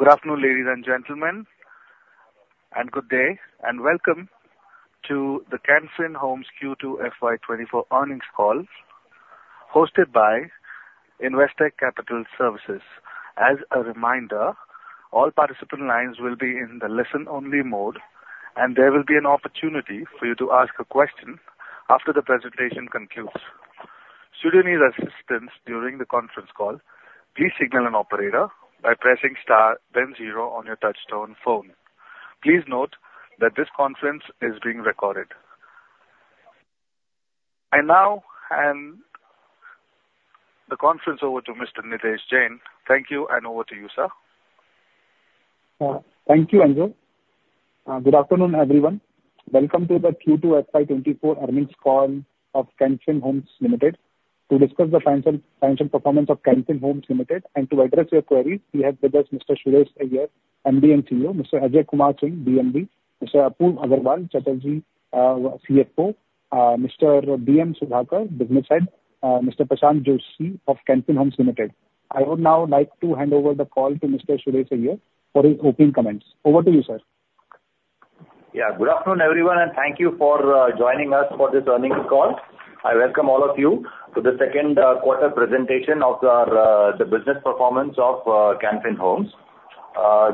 Good afternoon, ladies and gentlemen, and good day, and welcome to the Can Fin Homes Q2 FY24 earnings call, hosted by Investec Capital Services. As a reminder, all participant lines will be in the listen-only mode, and there will be an opportunity for you to ask a question after the presentation concludes. Should you need assistance during the conference call, please signal an operator by pressing star then zero on your touchtone phone. Please note that this conference is being recorded. I now hand the conference over to Mr. Nidhesh Jain. Thank you, and over to you, sir. Thank you, Andrew. Good afternoon, everyone. Welcome to the Q2 FY 2024 earnings call of Can Fin Homes Limited. To discuss the financial performance of Can Fin Homes Limited and to address your queries, we have with us Mr. Suresh Iyer, MD & CEO; Mr. Ajay Kumar Singh, DMD; Mr. Apurav Agarwal, CFO; Mr. B.M. Sudhakar, Business Head; Mr. Prashanth Joishy of Can Fin Homes Limited. I would now like to hand over the call to Mr. Suresh Iyer for his opening comments. Over to you, sir. Yeah. Good afternoon, everyone, and thank you for joining us for this earnings call. I welcome all of you to the second quarter presentation of our the business performance of Can Fin Homes.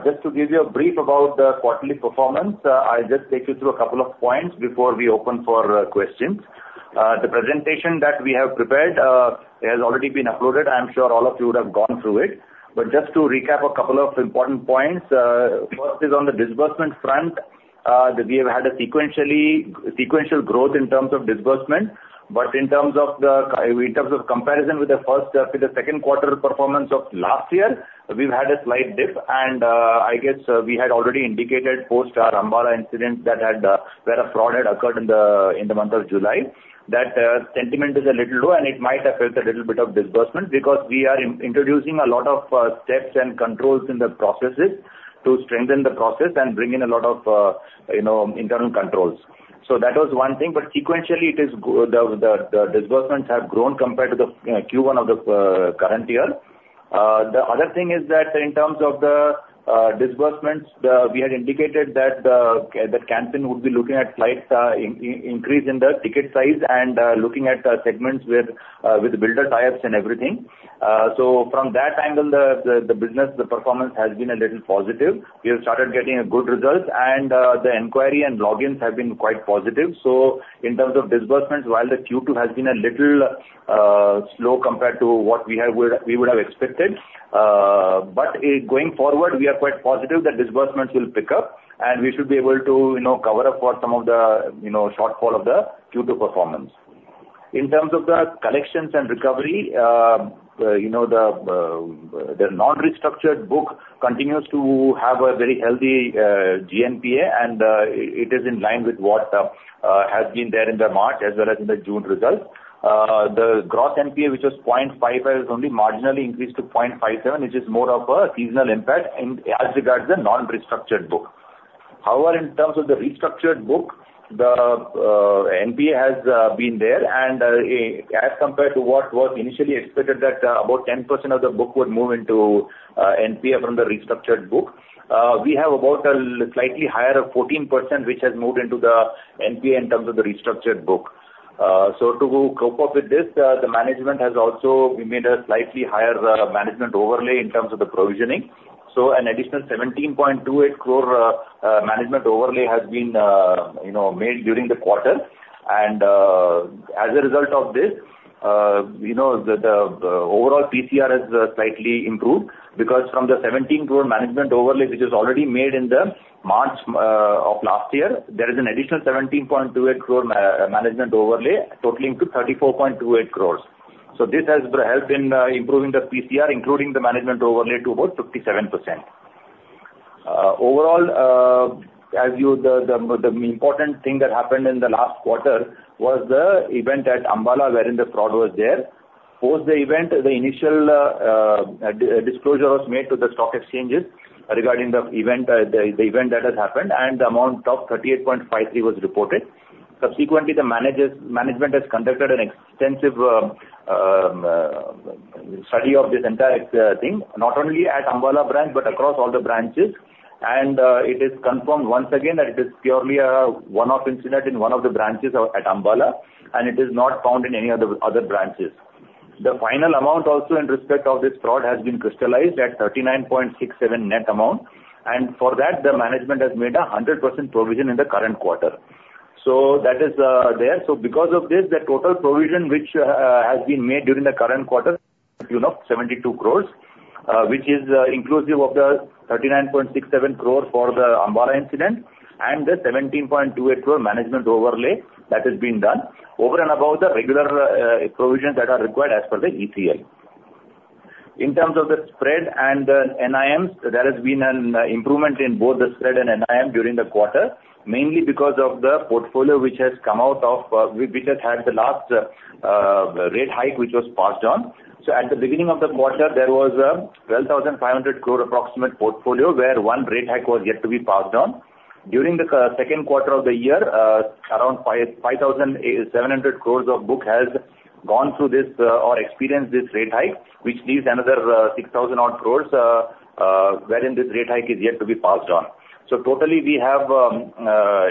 Just to give you a brief about the quarterly performance, I'll just take you through a couple of points before we open for questions. The presentation that we have prepared, it has already been uploaded. I'm sure all of you would have gone through it. But just to recap a couple of important points, first is on the disbursement front, that we have had a sequential growth in terms of disbursement. But in terms of comparison with the first to the second quarter performance of last year, we've had a slight dip. I guess we had already indicated post our Ambala incident that had where a fraud had occurred in the month of July, that sentiment is a little low, and it might have affected a little bit of disbursement because we are introducing a lot of steps and controls in the processes to strengthen the process and bring in a lot of, you know, internal controls. So that was one thing, but sequentially, the disbursements have grown compared to the Q1 of the current year. The other thing is that in terms of the disbursements, we had indicated that that Canfin would be looking at slight increase in the ticket size and looking at segments with builder tie-ups and everything. So from that angle, the business performance has been a little positive. We have started getting a good results, and the inquiry and logins have been quite positive. So in terms of disbursements, while the Q2 has been a little slow compared to what we would have expected, but going forward, we are quite positive that disbursements will pick up, and we should be able to, you know, cover up for some of the, you know, shortfall of the Q2 performance. In terms of the collections and recovery, you know, the non-restructured book continues to have a very healthy GNPA, and it is in line with what has been there in the March as well as in the June results. The gross NPA, which was 0.55, has only marginally increased to 0.57, which is more of a seasonal impact in as regards the non-restructured book. However, in terms of the restructured book, the NPA has been there, and, as compared to what was initially expected, that about 10% of the book would move into NPA from the restructured book. We have about a slightly higher of 14%, which has moved into the NPA in terms of the restructured book. So to cope up with this, the management has also made a slightly higher management overlay in terms of the provisioning. So an additional 17.28 crore management overlay has been, you know, made during the quarter. As a result of this, you know, the overall PCR has slightly improved, because from the 17 crore management overlay, which is already made in the March of last year, there is an additional 17.28 crore management overlay, totaling to 34.28 crore. So this has helped in improving the PCR, including the management overlay, to about 57%. Overall, as you... The important thing that happened in the last quarter was the event at Ambala, wherein the fraud was there. Post the event, the initial disclosure was made to the stock exchanges regarding the event, the event that has happened, and the amount of 38.53 crore was reported. Subsequently, the managers, management has conducted an extensive study of this entire thing, not only at Ambala branch, but across all the branches. And it is confirmed once again that it is purely a one-off incident in one of the branches at Ambala, and it is not found in any other branches. The final amount also in respect of this fraud has been crystallized at 39.67 net amount, and for that, the management has made a 100% provision in the current quarter. So that is there. So because of this, the total provision, which has been made during the current quarter, 72 crore, which is inclusive of the 39.67 crore for the Ambala incident and the 17.28 crore management overlay that has been done over and above the regular provision that are required as per the ECL. In terms of the spread and the NIMs, there has been an improvement in both the spread and NIM during the quarter, mainly because of the portfolio which has come out of, which has had the last rate hike, which was passed on. So at the beginning of the quarter, there was a 12,500 crore approximate portfolio, where one rate hike was yet to be passed on. During the second quarter of the year, around 5,500 crores of book has gone through this, or experienced this rate hike, which leaves another, 6,000 odd crores, wherein this rate hike is yet to be passed on. So totally, we have,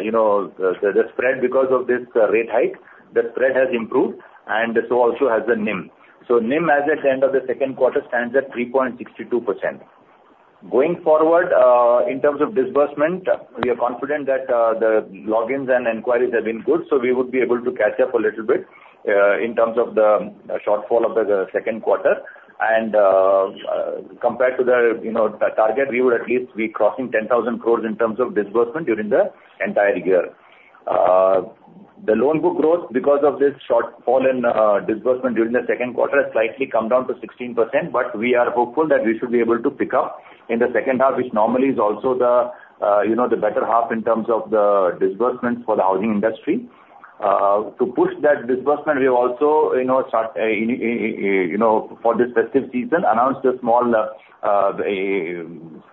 you know, the, the spread because of this rate hike, the spread has improved, and so also has the NIM. So NIM, as at the end of the second quarter, stands at 3.62%. Going forward, in terms of disbursement, we are confident that, the logins and inquiries have been good, so we would be able to catch up a little bit, in terms of the, the shortfall of the second quarter. Compared to the target, we would at least be crossing 10,000 crore in terms of disbursement during the entire year. The loan book growth because of this shortfall in disbursement during the second quarter has slightly come down to 16%, but we are hopeful that we should be able to pick up in the second half, which normally is also the better half in terms of the disbursement for the housing industry. To push that disbursement, we have also, you know, for this festive season, announced a small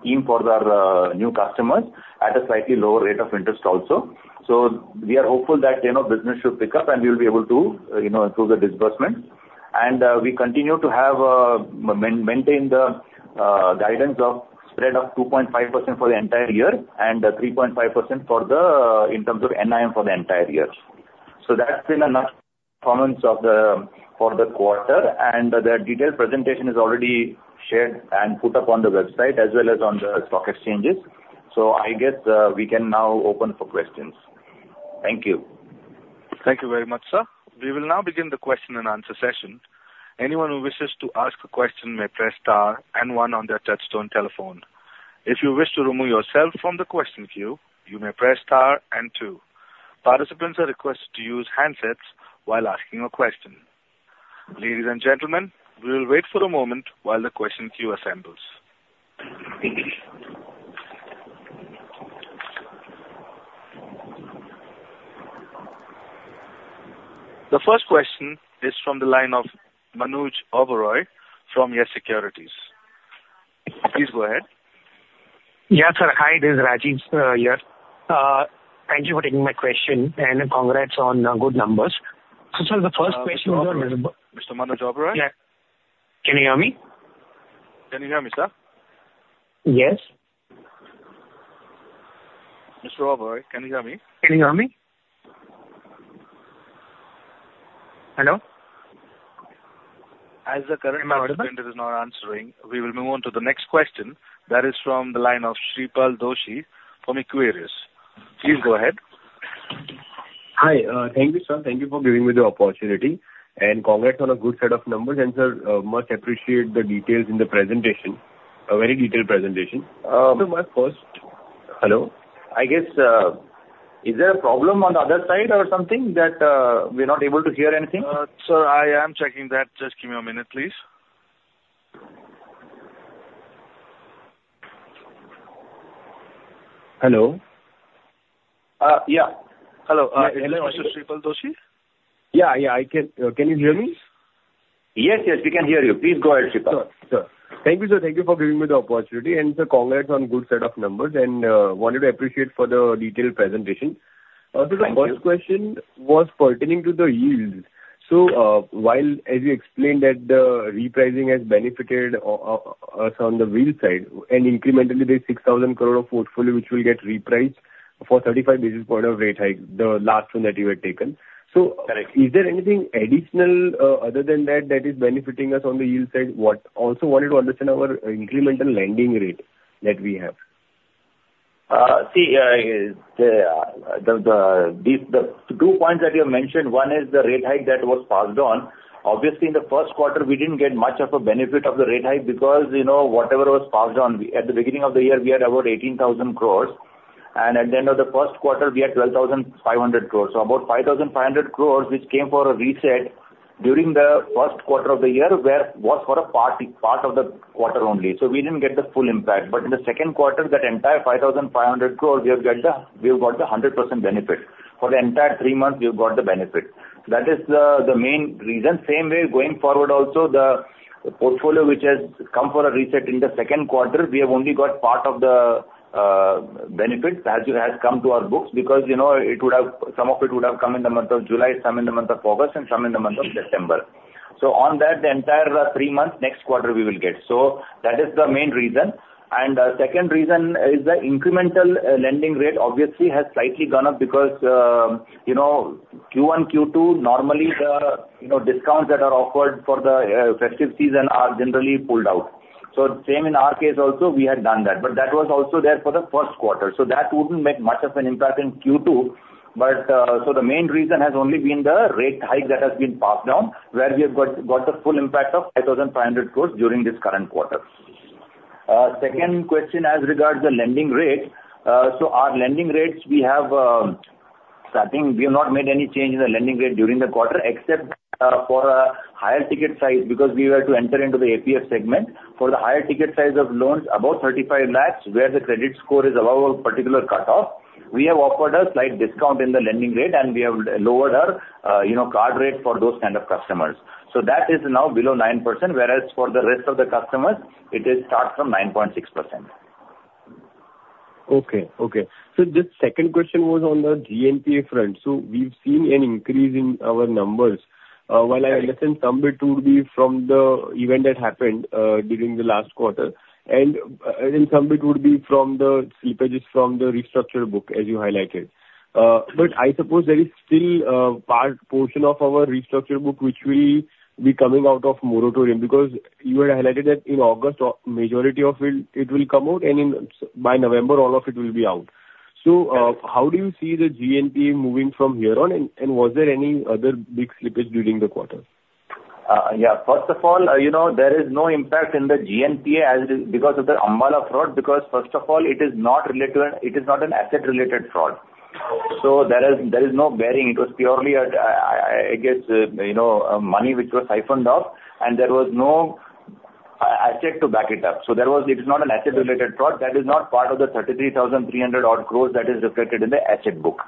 scheme for our new customers at a slightly lower rate of interest also. So we are hopeful that, you know, business should pick up and we will be able to, you know, improve the disbursement. We continue to have, maintain the guidance of spread of 2.5% for the entire year and 3.5% for the, in terms of NIM for the entire year. So that's been enough comments of the, for the quarter, and the detailed presentation is already shared and put up on the website as well as on the stock exchanges. So I guess, we can now open for questions. Thank you. Thank you very much, sir. We will now begin the question and answer session. Anyone who wishes to ask a question may press star and one on their touchtone telephone. If you wish to remove yourself from the question queue, you may press star and two. Participants are requested to use handsets while asking a question. Ladies and gentlemen, we will wait for a moment while the question queue assembles. The first question is from the line of Manoj Oberoi from YES SECURITIES. Please go ahead. Yeah, sir. Hi, this is Rajiv here. Thank you for taking my question, and congrats on good numbers. So sir, the first question was- Mr. Manoj Oberoi? Yeah. Can you hear me? Can you hear me, sir? Yes. Mr. Oberoi, can you hear me? Can you hear me? Hello? As the current participant is not answering, we will move on to the next question. That is from the line of Shreepal Doshi from Equirus. Please go ahead. Hi, thank you, sir. Thank you for giving me the opportunity, and congrats on a good set of numbers. And sir, much appreciate the details in the presentation. A very detailed presentation. So my first... Hello? I guess, is there a problem on the other side or something, that, we're not able to hear anything? Sir, I am checking that. Just give me a minute, please. Hello? Yeah. Hello, this is Sripal Doshi. Yeah. Yeah, I can... Can you hear me? Yes, yes, we can hear you. Please go ahead, Sripal. Sure. Sure. Thank you, sir. Thank you for giving me the opportunity, and congrats on good set of numbers and wanted to appreciate for the detailed presentation. Thank you. My first question was pertaining to the yields. While, as you explained, that the repricing has benefited us on the yield side, and incrementally there's 6,000 crore of portfolio which will get repriced for 35 basis points of rate hike, the last one that you had taken. Correct. Is there anything additional, other than that, that is benefiting us on the yield side? Also wanted to understand our incremental lending rate that we have. See, the two points that you have mentioned, one is the rate hike that was passed on. Obviously, in the first quarter, we didn't get much of a benefit of the rate hike because, you know, whatever was passed on, at the beginning of the year, we had about 18,000 crore, and at the end of the first quarter, we had 12,500 crore. So about 5,500 crore, which came for a reset during the first quarter of the year, which was for a part of the quarter only. So we didn't get the full impact. But in the second quarter, that entire 5,500 crore, we have got the 100% benefit. For the entire three months, we have got the benefit. That is the main reason. Same way, going forward, also, the portfolio which has come for a reset in the second quarter, we have only got part of the benefits as it has come to our books, because, you know, it would have, some of it would have come in the month of July, some in the month of August, and some in the month of September. So on that, the entire three months, next quarter we will get. So that is the main reason. And the second reason is the incremental lending rate obviously has slightly gone up because, you know, Q1, Q2, normally the, you know, discounts that are offered for the, uh, festive season are generally pulled out. So same in our case also, we had done that. But that was also there for the first quarter, so that wouldn't make much of an impact in Q2. So the main reason has only been the rate hike that has been passed down, where we have got the full impact of 5,500 crore during this current quarter. Second question as regards the lending rate. So our lending rates, we have, I think we have not made any change in the lending rate during the quarter, except, for a higher ticket size, because we were to enter into the APF segment. For the higher ticket size of loans, above 35 lakh, where the credit score is above a particular cutoff, we have offered a slight discount in the lending rate, and we have lowered our, you know, card rate for those kind of customers. So that is now below 9%, whereas for the rest of the customers, it is start from 9.6%.... Okay, okay. So the second question was on the GNPA front. So we've seen an increase in our numbers. While I understand some bit would be from the event that happened during the last quarter, and some bit would be from the slippages from the restructured book, as you highlighted. But I suppose there is still part, portion of our restructured book which will be coming out of moratorium, because you had highlighted that in August, a majority of it, it will come out, and by November, all of it will be out. So, how do you see the GNPA moving from here on, and was there any other big slippage during the quarter? Yeah. First of all, you know, there is no impact in the GNPA as it is because of the Ambala fraud, because first of all, it is not related, it is not an asset-related fraud. So there is no bearing. It was purely a, I guess, you know, money which was siphoned off, and there was no asset to back it up. So, it's not an asset-related fraud. That is not part of the 33,300 crore that is reflected in the asset book,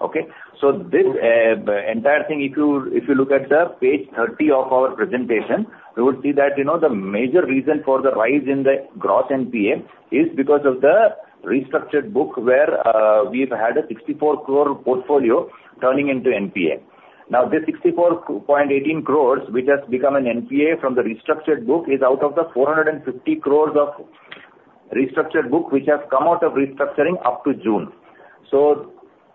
okay? So this entire thing, if you look at the page 30 of our presentation, you would see that, you know, the major reason for the rise in the gross NPA is because of the restructured book where we've had an 64 crore portfolio turning into NPA. Now, this 64.18 crore, which has become an NPA from the restructured book, is out of the 450 crore of restructured book, which has come out of restructuring up to June. So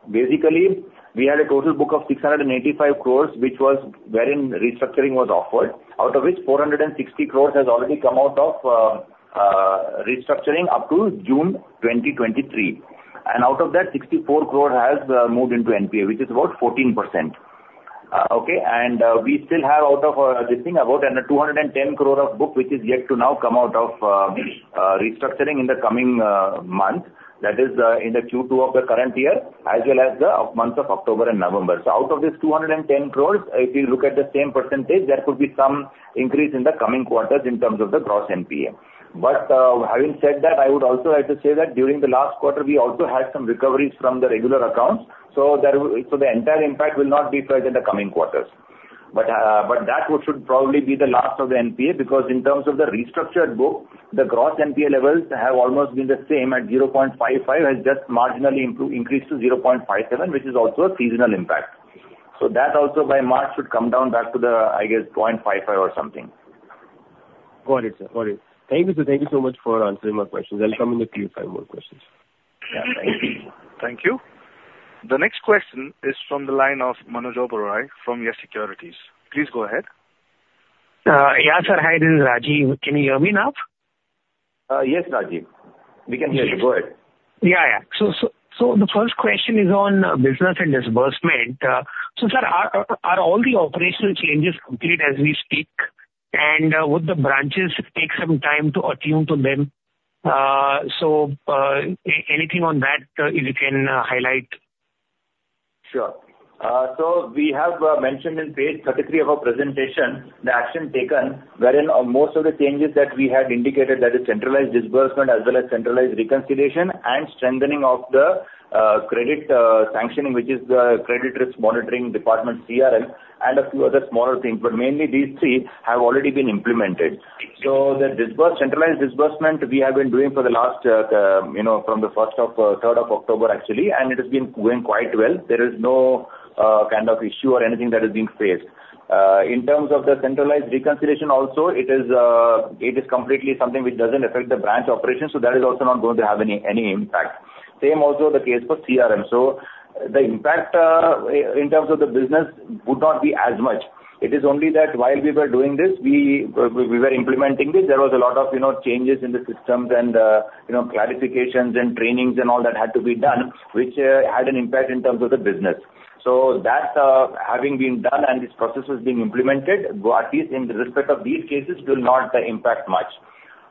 basically, we had a total book of 685 crore, which was wherein restructuring was offered, out of which 460 crore has already come out of restructuring up to June 2023. And out of that, sixty-four crore has moved into NPA, which is about 14%. Okay, and, we still have out of this thing about 210 crore of book, which is yet to now come out of restructuring in the coming month. That is, in the Q2 of the current year, as well as the month of October and November. So out of this 210 crore, if you look at the same percentage, there could be some increase in the coming quarters in terms of the gross NPA. But, having said that, I would also like to say that during the last quarter, we also had some recoveries from the regular accounts, so there, so the entire impact will not be felt in the coming quarters. But, but that should probably be the last of the NPA, because in terms of the restructured book, the gross NPA levels have almost been the same at 0.55%, and just marginally improve, increased to 0.57%, which is also a seasonal impact. So that also by March should come down back to the, I guess, 0.55% or something. Got it, sir. Got it. Thank you, sir. Thank you so much for answering my questions. I'll come in the queue for more questions. Yeah, thank you. Thank you. The next question is from the line of Manoj Oberoi from YES SECURITIES. Please go ahead. Yeah, sir. Hi, this is Rajiv. Can you hear me now? Yes, Rajiv. We can hear you. Go ahead. Yeah, yeah. So the first question is on business and disbursement. So, sir, are all the operational changes complete as we speak? And would the branches take some time to attune to them? So anything on that you can highlight? Sure. So we have mentioned in page 33 of our presentation, the action taken, wherein on most of the changes that we had indicated, that is centralized disbursement as well as centralized reconciliation and strengthening of the credit sanctioning, which is the Credit Risk Monitoring Department, CRM, and a few other smaller things, but mainly these three have already been implemented. So the centralized disbursement we have been doing for the last, you know, from the third of October, actually, and it has been going quite well. There is no kind of issue or anything that is being faced. In terms of the centralized reconciliation also, it is completely something which doesn't affect the branch operations, so that is also not going to have any impact. Same also the case for CRM. So the impact in terms of the business would not be as much. It is only that while we were doing this, we were implementing this, there was a lot of, you know, changes in the systems and, you know, clarifications and trainings and all that had to be done, which had an impact in terms of the business. So that, having been done and these processes being implemented, at least in respect of these cases, will not impact much.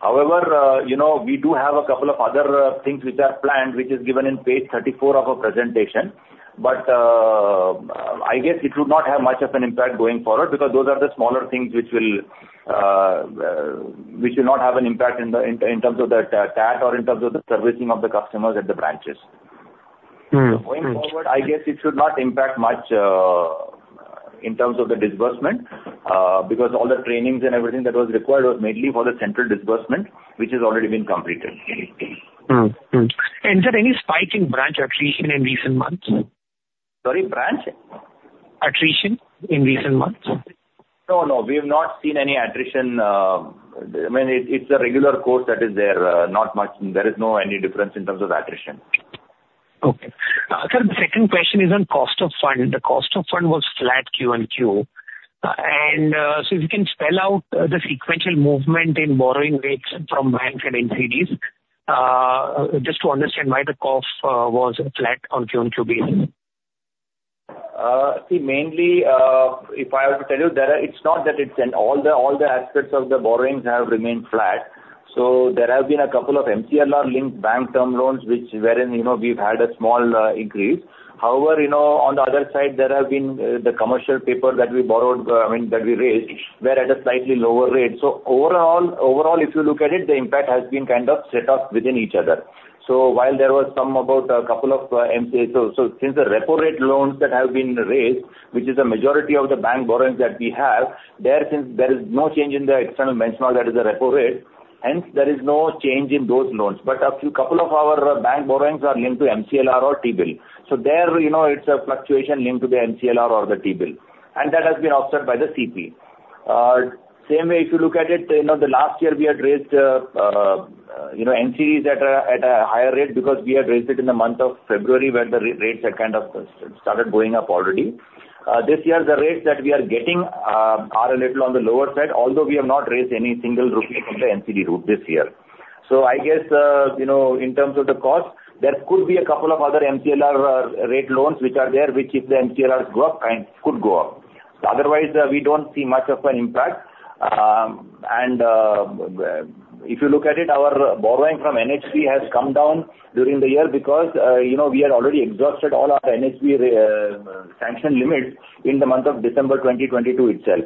However, you know, we do have a couple of other things which are planned, which is given in page 34 of our presentation. But, I guess it would not have much of an impact going forward, because those are the smaller things which will not have an impact in terms of the TAT or in terms of the servicing of the customers at the branches. Mm-hmm. Mm-hmm. Going forward, I guess it should not impact much, in terms of the disbursement, because all the trainings and everything that was required was mainly for the central disbursement, which has already been completed. Mm-hmm. Mm-hmm. And is there any spike in branch attrition in recent months? Sorry, branch? attrition in recent months? No, no, we have not seen any attrition. I mean, it, it's a regular course that is there, not much. There is no any difference in terms of attrition. Okay. Sir, the second question is on cost of fund. The cost of fund was flat Q and Q. So if you can spell out the sequential movement in borrowing rates from banks and NCDs, just to understand why the cost was flat on Q and Q basis. See, mainly, if I were to tell you, it's not that all the aspects of the borrowings have remained flat. So there have been a couple of MCLR-linked bank term loans, wherein, you know, we've had a small increase. However, you know, on the other side, there have been the commercial paper that we borrowed, I mean, that we raised, were at a slightly lower rate. So overall, overall, if you look at it, the impact has been kind of set off within each other. So while there was some about a couple of, so since the repo rate loans that have been raised, which is the majority of the bank borrowings that we have, there since there is no change in the external benchmark, that is the repo rate-... Hence, there is no change in those loans. But a few, couple of our bank borrowings are linked to MCLR or T-bill. So there, you know, it's a fluctuation linked to the MCLR or the T-bill, and that has been offset by the CP. Same way, if you look at it, you know, the last year we had raised, you know, NCDs at a, at a higher rate because we had raised it in the month of February when the re-rates had kind of started going up already. This year, the rates that we are getting, are a little on the lower side, although we have not raised any single rupee from the NCD route this year. So I guess, you know, in terms of the cost, there could be a couple of other MCLR rate loans which are there, which if the MCLRs go up, could go up. Otherwise, we don't see much of an impact. And if you look at it, our borrowing from NHB has come down during the year because, you know, we had already exhausted all our NHB sanction limits in the month of December 2022 itself.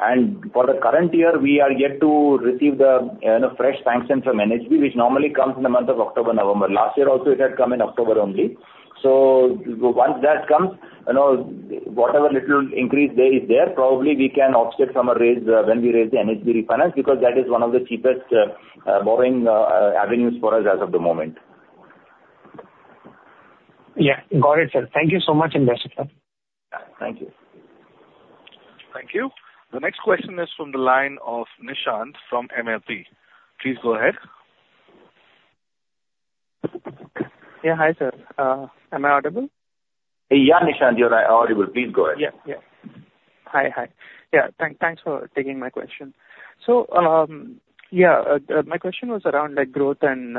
And for the current year, we are yet to receive the fresh sanction from NHB, which normally comes in the month of October, November. Last year also, it had come in October only. Once that comes, you know, whatever little increase there is there, probably we can offset from a raise, when we raise the NHB refinance, because that is one of the cheapest borrowing avenues for us as of the moment. Yeah, got it, sir. Thank you so much, and best sir. Thank you. Thank you. The next question is from the line of Nishant from MLP. Please go ahead. Yeah. Hi, sir. Am I audible? Yeah, Nishant, you're audible. Please go ahead. Yeah. Yeah. Hi. Hi. Yeah, thanks for taking my question. So, yeah, my question was around, like, growth and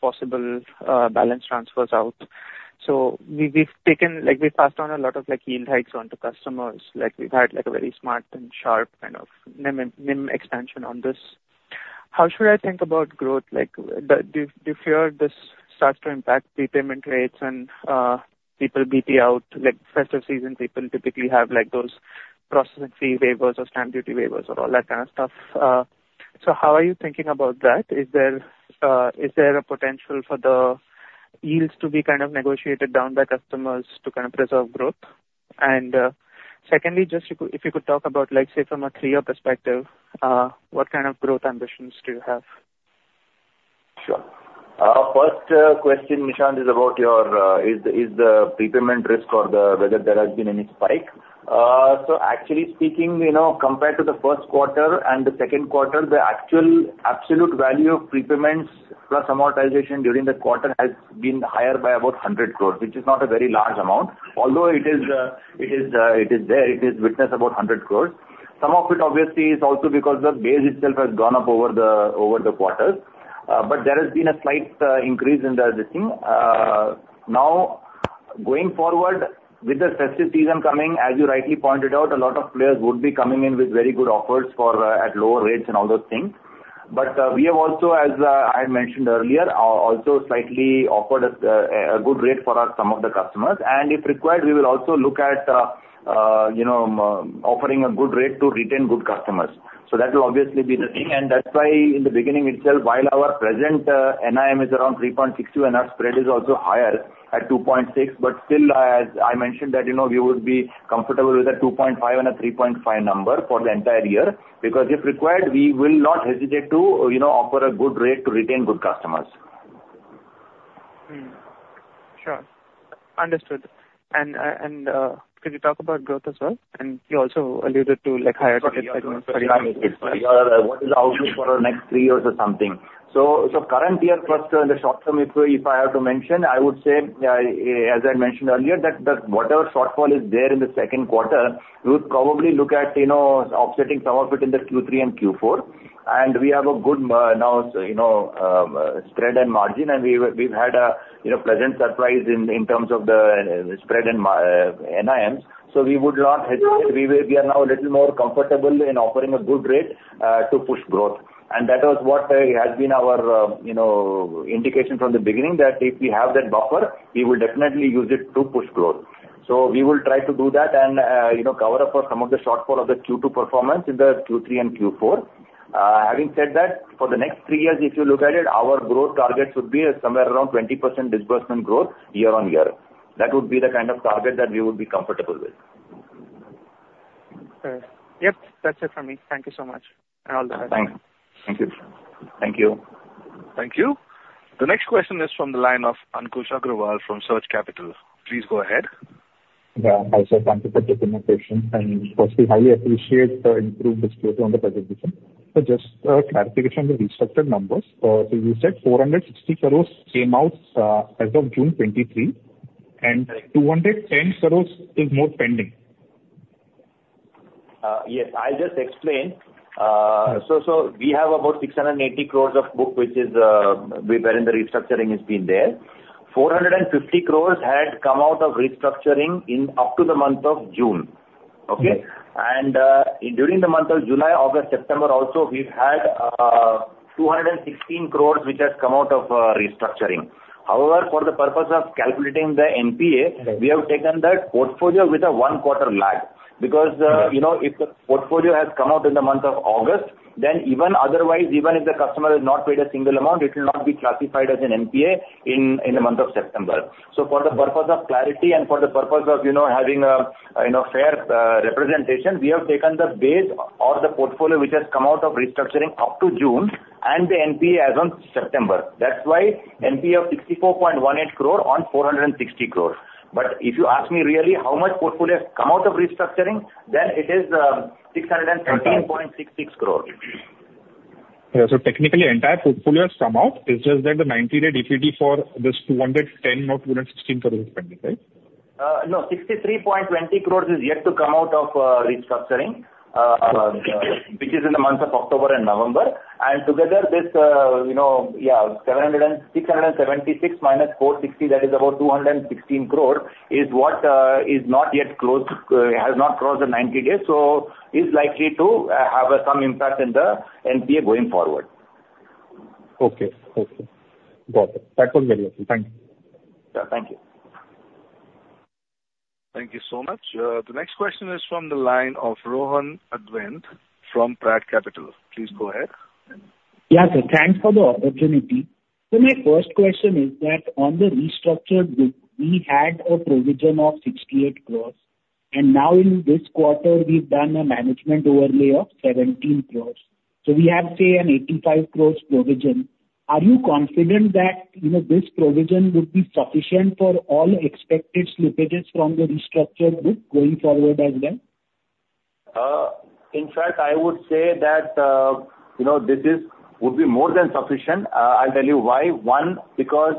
possible balance transfers out. So we've taken, like, we passed on a lot of, like, yield hikes onto customers. Like, we've had, like, a very smart and sharp kind of NIM expansion on this. How should I think about growth? Like, do you fear this starts to impact prepayment rates and people BT out, like, festive season, people typically have, like, those processing fee waivers or stamp duty waivers or all that kind of stuff. So how are you thinking about that? Is there a potential for the yields to be kind of negotiated down by customers to kind of preserve growth? Secondly, just if you, if you could talk about like, say, from a three-year perspective, what kind of growth ambitions do you have? Sure. First question, Nishant, is about your—is the prepayment risk or the—whether there has been any spike. So actually speaking, you know, compared to the first quarter and the second quarter, the actual absolute value of prepayments plus amortization during the quarter has been higher by about 100 crore, which is not a very large amount. Although it is there, it is witnessed about 100 crore. Some of it obviously is also because the base itself has gone up over the quarters. But there has been a slight increase in this thing. Now, going forward with the festive season coming, as you rightly pointed out, a lot of players would be coming in with very good offers for at lower rates and all those things. We have also, as I had mentioned earlier, also slightly offered a good rate for some of our customers, and if required, we will also look at, you know, offering a good rate to retain good customers. So that will obviously be the thing, and that's why in the beginning itself, while our present NIM is around 3.62, and our spread is also higher at 2.6, but still, as I mentioned that, you know, we would be comfortable with a 2.5 and a 3.5 number for the entire year. Because if required, we will not hesitate to, you know, offer a good rate to retain good customers. Hmm. Sure. Understood. And could you talk about growth as well? And you also alluded to, like, higher- What is the outlook for the next three years or something? So current year, plus, in the short term, if I have to mention, I would say, as I mentioned earlier, that whatever shortfall is there in the second quarter, we would probably look at, you know, offsetting some of it in the Q3 and Q4. And we have a good now, you know, spread and margin, and we've had a, you know, pleasant surprise in terms of the spread in NIMs. So we would not hesitate. We will... We are now a little more comfortable in offering a good rate to push growth. And that was what has been our, you know, indication from the beginning, that if we have that buffer, we will definitely use it to push growth. So we will try to do that and, you know, cover up for some of the shortfall of the Q2 performance in the Q3 and Q4. Having said that, for the next three years, if you look at it, our growth target should be somewhere around 20% disbursement growth year-on-year. That would be the kind of target that we would be comfortable with. Sure. Yep, that's it from me. Thank you so much, and all the best. Thank you. Thank you. Thank you. The next question is from the line of Ankur Agarwal from Surge Capital. Please go ahead. Yeah, hi, sir. Thank you for taking my question, and firstly, highly appreciate the improved disclosure on the presentation. So just clarification on the restructured numbers. So you said 460 crore came out as of June 2023, and 210 crore is more pending? Yes. I'll just explain. So, so we have about 680 crore of book, which is, wherein the restructuring has been there. 450 crore had come out of restructuring in up to the month of June. Okay? Yes. During the month of July, August, September also, we've had 216 crore, which has come out of restructuring. However, for the purpose of calculating the NPA- Right. We have taken that portfolio with a 1-quarter lag... because, you know, if the portfolio has come out in the month of August, then even otherwise, even if the customer has not paid a single amount, it will not be classified as an NPA in the month of September. So for the purpose of clarity and for the purpose of, you know, having a fair representation, we have taken the base or the portfolio which has come out of restructuring up to June and the NPA as on September. That's why NPA of 64.18 crore on 460 crore. But if you ask me really how much portfolio has come out of restructuring, then it is 613.66 crore. Yeah. So technically, entire portfolio has come out. It's just that the 90-day DPD for this 210 crore or 216 crore is pending, right? No, 63.20 crore is yet to come out of restructuring, which is in the months of October and November. Together, this, you know, yeah, 676 crore minus 460 crore, that is about 216 crore, is what is not yet closed, has not crossed the 90 days, so is likely to have some impact in the NPA going forward. Okay. Okay. Got it. That was very helpful. Thank you. Yeah. Thank you. Thank you so much. The next question is from the line of Rohan Advant from Pratt Capital. Please go ahead. Yeah, sir. Thanks for the opportunity. So my first question is that on the restructured book, we had a provision of 68 crore, and now in this quarter, we've done a management overlay of 17 crore. So we have, say, an 85 crore provision. Are you confident that, you know, this provision would be sufficient for all expected slippages from the restructured book going forward as well? In fact, I would say that, you know, this would be more than sufficient. I'll tell you why. One, because,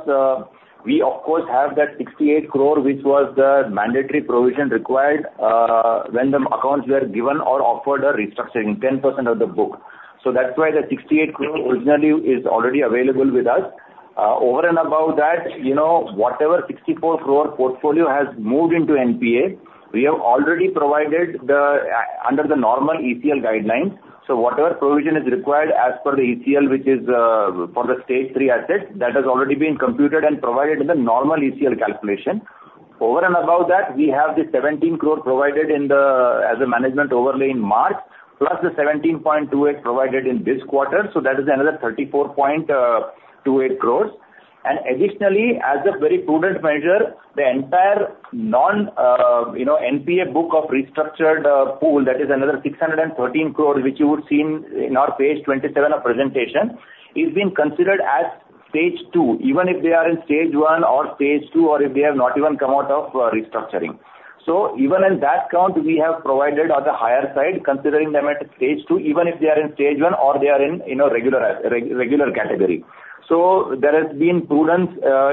we of course, have that 68 crore, which was the mandatory provision required, when the accounts were given or offered a restructuring, 10% of the book. So that's why the 68 crore originally is already available with us. Over and above that, you know, whatever 64 crore portfolio has moved into NPA, we have already provided the, under the normal ECL guidelines. So whatever provision is required as per the ECL, which is, for the stage three assets, that has already been computed and provided in the normal ECL calculation. Over and above that, we have the 17 crore provided in the as a management overlay in March, plus the 17.28 crore provided in this quarter, so that is another 34.28 crore. And additionally, as a very prudent measure, the entire non, you know, NPA book of restructured pool, that is another 613 crore, which you would see in our page 27 of presentation, is being considered as stage two, even if they are in stage one or stage two or if they have not even come out of restructuring. So even in that count, we have provided on the higher side, considering them at stage two, even if they are in stage one or they are in a regular category. So there has been prudence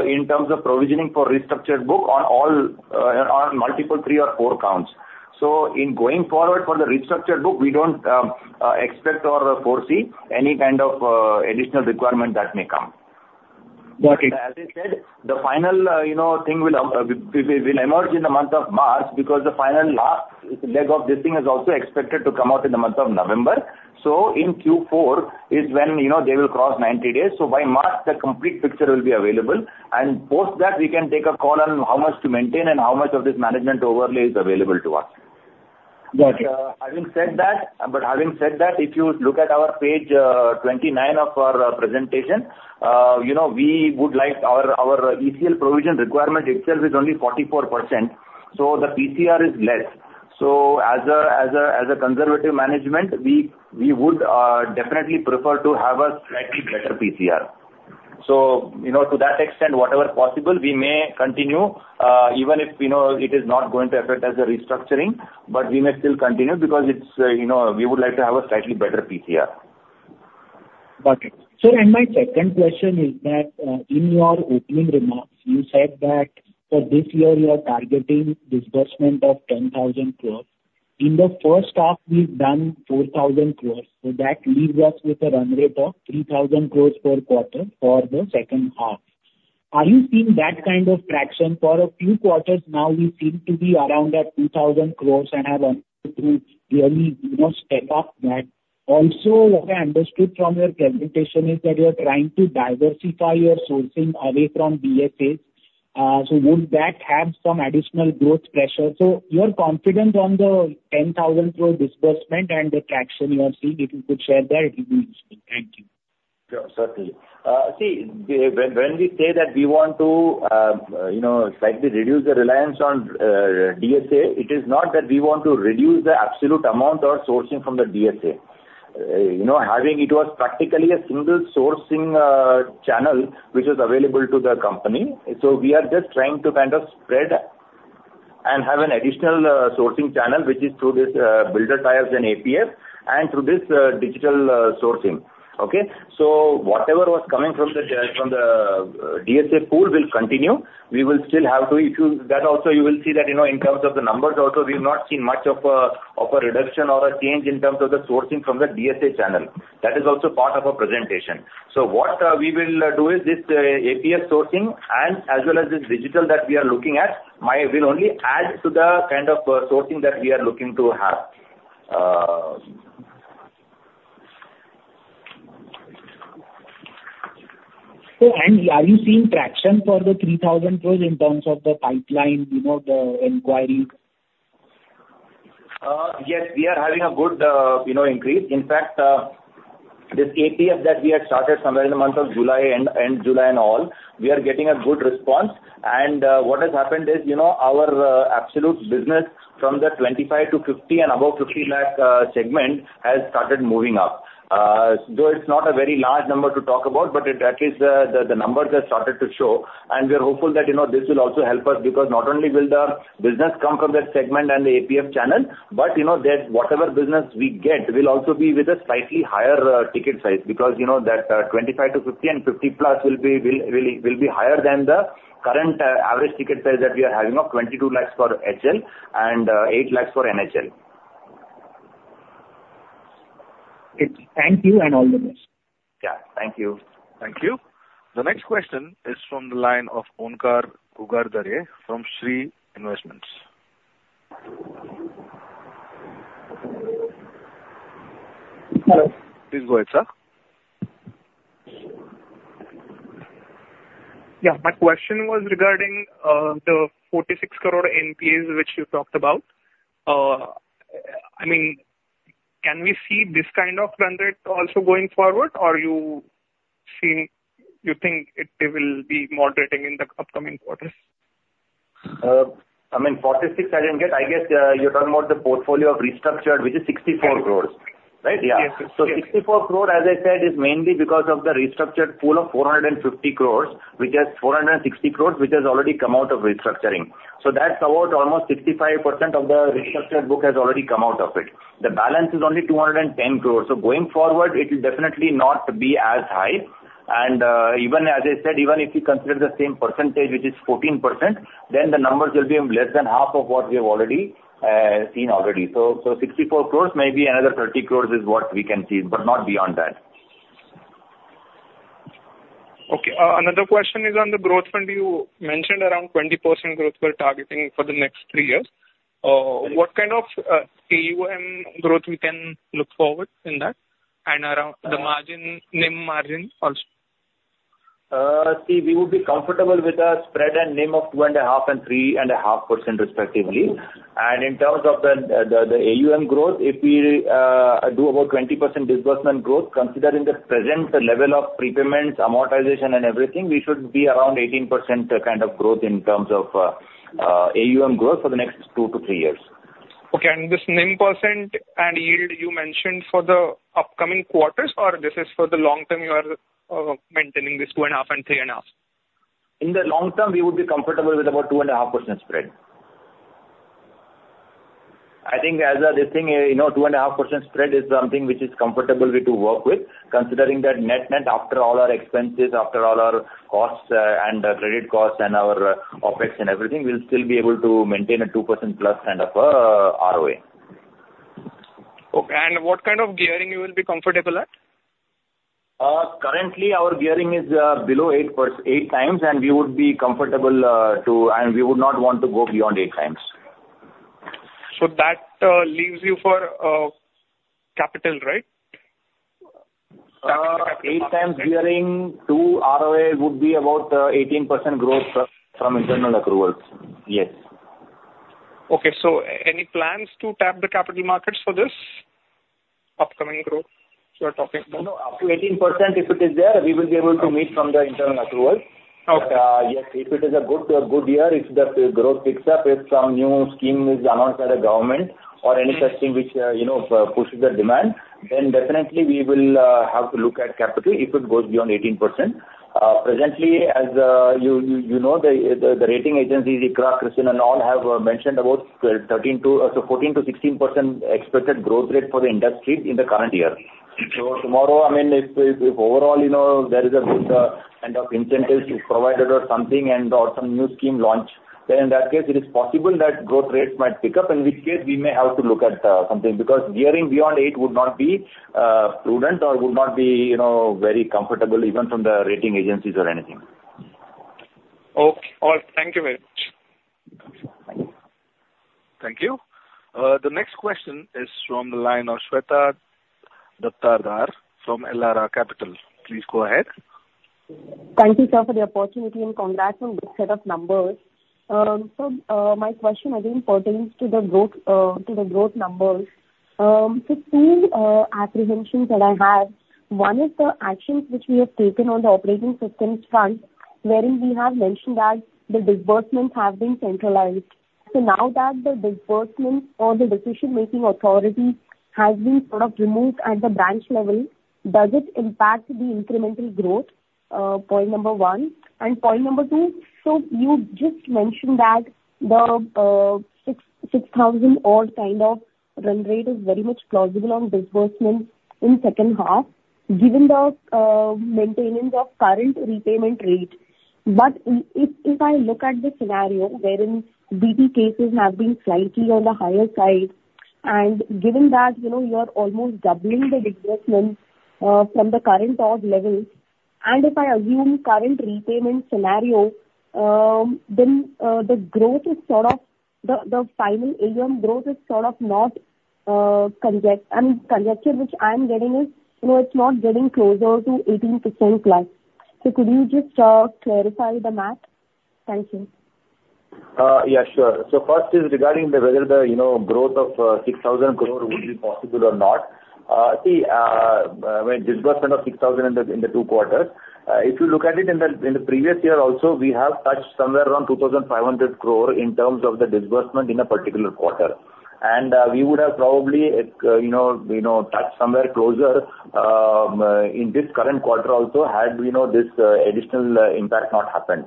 in terms of provisioning for restructured book on all on multiple, three or four counts. So in going forward for the restructured book, we don't expect or foresee any kind of additional requirement that may come. Got it. As I said, the final, you know, thing will emerge in the month of March, because the final last leg of this thing is also expected to come out in the month of November. So in Q4 is when, you know, they will cross 90 days. So by March, the complete picture will be available, and post that, we can take a call on how much to maintain and how much of this management overlay is available to us. Got it. Having said that—but having said that, if you look at our page 29 of our presentation, you know, we would like our, our ECL provision requirement itself is only 44%, so the PCR is less. So as a conservative management, we would definitely prefer to have a slightly better PCR. So, you know, to that extent, whatever possible, we may continue even if, you know, it is not going to affect as a restructuring, but we may still continue because it's, you know, we would like to have a slightly better PCR. Got it. Sir, and my second question is that, in your opening remarks, you said that for this year you are targeting disbursement of 10,000 crore. In the first half, we've done 4,000 crore, so that leaves us with a run rate of 3,000 crore per quarter for the second half. Are you seeing that kind of traction? For a few quarters now, we seem to be around that 2,000 crore and have wanted to really, you know, step up that. Also, what I understood from your presentation is that you are trying to diversify your sourcing away from DSAs. So would that have some additional growth pressure? So you are confident on the 10,000 crore disbursement and the traction you are seeing. If you could share that, it will be useful. Thank you. Sure. Certainly. See, when we say that we want to, you know, slightly reduce the reliance on DSA, it is not that we want to reduce the absolute amount or sourcing from the DSA. You know, having it was practically a single sourcing channel which is available to the company. So we are just trying to kind of spread and have an additional sourcing channel, which is through this builder tie-ups and APFs, and through this digital sourcing. Okay? So whatever was coming from the from the DSA pool will continue. We will still have to issue... That also you will see that, you know, in terms of the numbers also, we've not seen much of a reduction or a change in terms of the sourcing from the DSA channel. That is also part of our presentation. So what we will do is this, APF sourcing and as well as this digital that we are looking at, will only add to the kind of sourcing that we are looking to have. ... are you seeing traction for the 3,000 crore in terms of the pipeline, you know, the inquiries? Yes, we are having a good, you know, increase. In fact, this APF that we had started somewhere in the month of July, end, end July and all, we are getting a good response. And, what has happened is, you know, our absolute business from the 25-50 lakh and above 50 lakh segment has started moving up. Though it's not a very large number to talk about, but at least the numbers have started to show, and we are hopeful that, you know, this will also help us, because not only will the business come from that segment and the APF channel, but you know that whatever business we get will also be with a slightly higher ticket size. Because, you know, that 25 to 50 and 50+ will be higher than the current average ticket size that we are having of 22 lakhs for HL and 8 lakhs for NHL. It's thank you and all the best. Yeah. Thank you. Thank you. The next question is from the line of Onkar Ghugardare from Shree Investments. Hello. Please go ahead, sir. Yeah, my question was regarding the 46 crore NPAs which you talked about. I mean, can we see this kind of run rate also going forward, or you see... You think it will be moderating in the upcoming quarters? I mean, 46 I didn't get, I guess, you're talking about the portfolio of restructured, which is 64 crore, right? Yes. Yeah. So 64 crore, as I said, is mainly because of the restructured pool of 450 crore, which is 460 crore, which has already come out of restructuring. So that's about almost 65% of the restructured book has already come out of it. The balance is only 210 crore. So going forward, it will definitely not be as high. And, even as I said, even if you consider the same percentage, which is 14%, then the numbers will be less than half of what we have already seen already. So, 64 crore, maybe another 30 crore is what we can see, but not beyond that. Okay. Another question is on the growth fund. You mentioned around 20% growth we're targeting for the next three years. What kind of AUM growth we can look forward in that and around the margin, NIM margin also? See, we would be comfortable with a spread and NIM of 2.5% and 3.5% respectively. And in terms of the AUM growth, if we do about 20% disbursement growth, considering the present level of prepayments, amortization, and everything, we should be around 18% kind of growth in terms of AUM growth for the next two to three yearss. Okay, and this NIM percent and yield you mentioned for the upcoming quarters, or this is for the long term, you are maintaining this 2.5% and 3.5%? In the long term, we would be comfortable with about 2.5% spread. I think as a this thing, you know, 2.5% spread is something which is comfortable with to work with, considering that net-net, after all our expenses, after all our costs, and credit costs and our CapEx and everything, we'll still be able to maintain a 2%+ kind of ROA. Okay. What kind of gearing you will be comfortable at? Currently, our gearing is below 8 times, and we would be comfortable. We would not want to go beyond 8 times. So that leaves you for capital, right? 8 times gearing to ROA would be about 18% growth from internal accruals. Yes. Okay. Any plans to tap the capital markets for this upcoming growth you are talking about? No, no. Up to 18%, if it is there, we will be able to meet from the internal accruals. Okay. Yes, if it is a good year, if the growth picks up, if some new scheme is announced by the government or any such thing which, you know, pushes the demand, then definitely we will have to look at capital if it goes beyond 18%. Presently, as you know, the rating agencies, ICRA, CRISIL, and all, have mentioned about 13 to, so 14-16% expected growth rate for the industry in the current year. So tomorrow, I mean, if overall, you know, there is a good kind of incentives is provided or something and/or some new scheme launch, then in that case, it is possible that growth rates might pick up, in which case we may have to look at something. Because gearing beyond eight would not be prudent or would not be, you know, very comfortable, even from the rating agencies or anything. Okay. All right. Thank you very much. Thank you. The next question is from the line of Shweta Daptardar from Elara Capital. Please go ahead. Thank you, sir, for the opportunity, and congrats on this set of numbers. So, my question again pertains to the growth, to the growth numbers. So two apprehensions that I have, one is the actions which we have taken on the operating systems front, wherein we have mentioned that the disbursements have been centralized. So now that the disbursement or the decision-making authority has been sort of removed at the branch level, does it impact the incremental growth? Point number one, and point number two, so you just mentioned that the 6,000-odd kind of run rate is very much plausible on disbursement in second half, given the maintenance of current repayment rate. But if I look at the scenario wherein BT cases have been slightly on the higher side, and given that, you know, you are almost doubling the disbursement from the current odd levels, and if I assume current repayment scenario, then the growth is sort of the final AUM growth is sort of not I mean, conjecture which I'm getting is, you know, it's not getting closer to 18%+. So could you just clarify the math? Thank you. Yeah, sure. So first is regarding whether the, you know, growth of 6,000 crore would be possible or not. See, when disbursement of 6,000 crore in the two quarters, if you look at it in the previous year also, we have touched somewhere around 2,500 crore in terms of the disbursement in a particular quarter. And, we would have probably, you know, you know, touched somewhere closer in this current quarter also, had, you know, this additional impact not happened.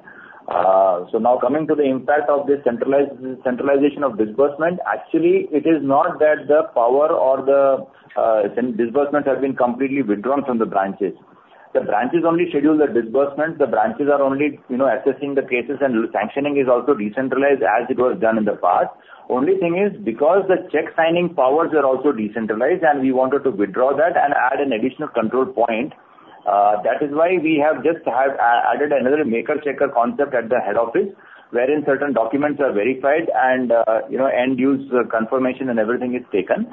So now coming to the impact of this centralization of disbursement, actually, it is not that the power or the disbursement has been completely withdrawn from the branches. The branches only schedule the disbursement. The branches are only, you know, assessing the cases, and sanctioning is also decentralized as it was done in the past. Only thing is, because the check signing powers were also decentralized and we wanted to withdraw that and add an additional control point, that is why we have just added another maker-checker concept at the head office, wherein certain documents are verified and, you know, end-use confirmation and everything is taken.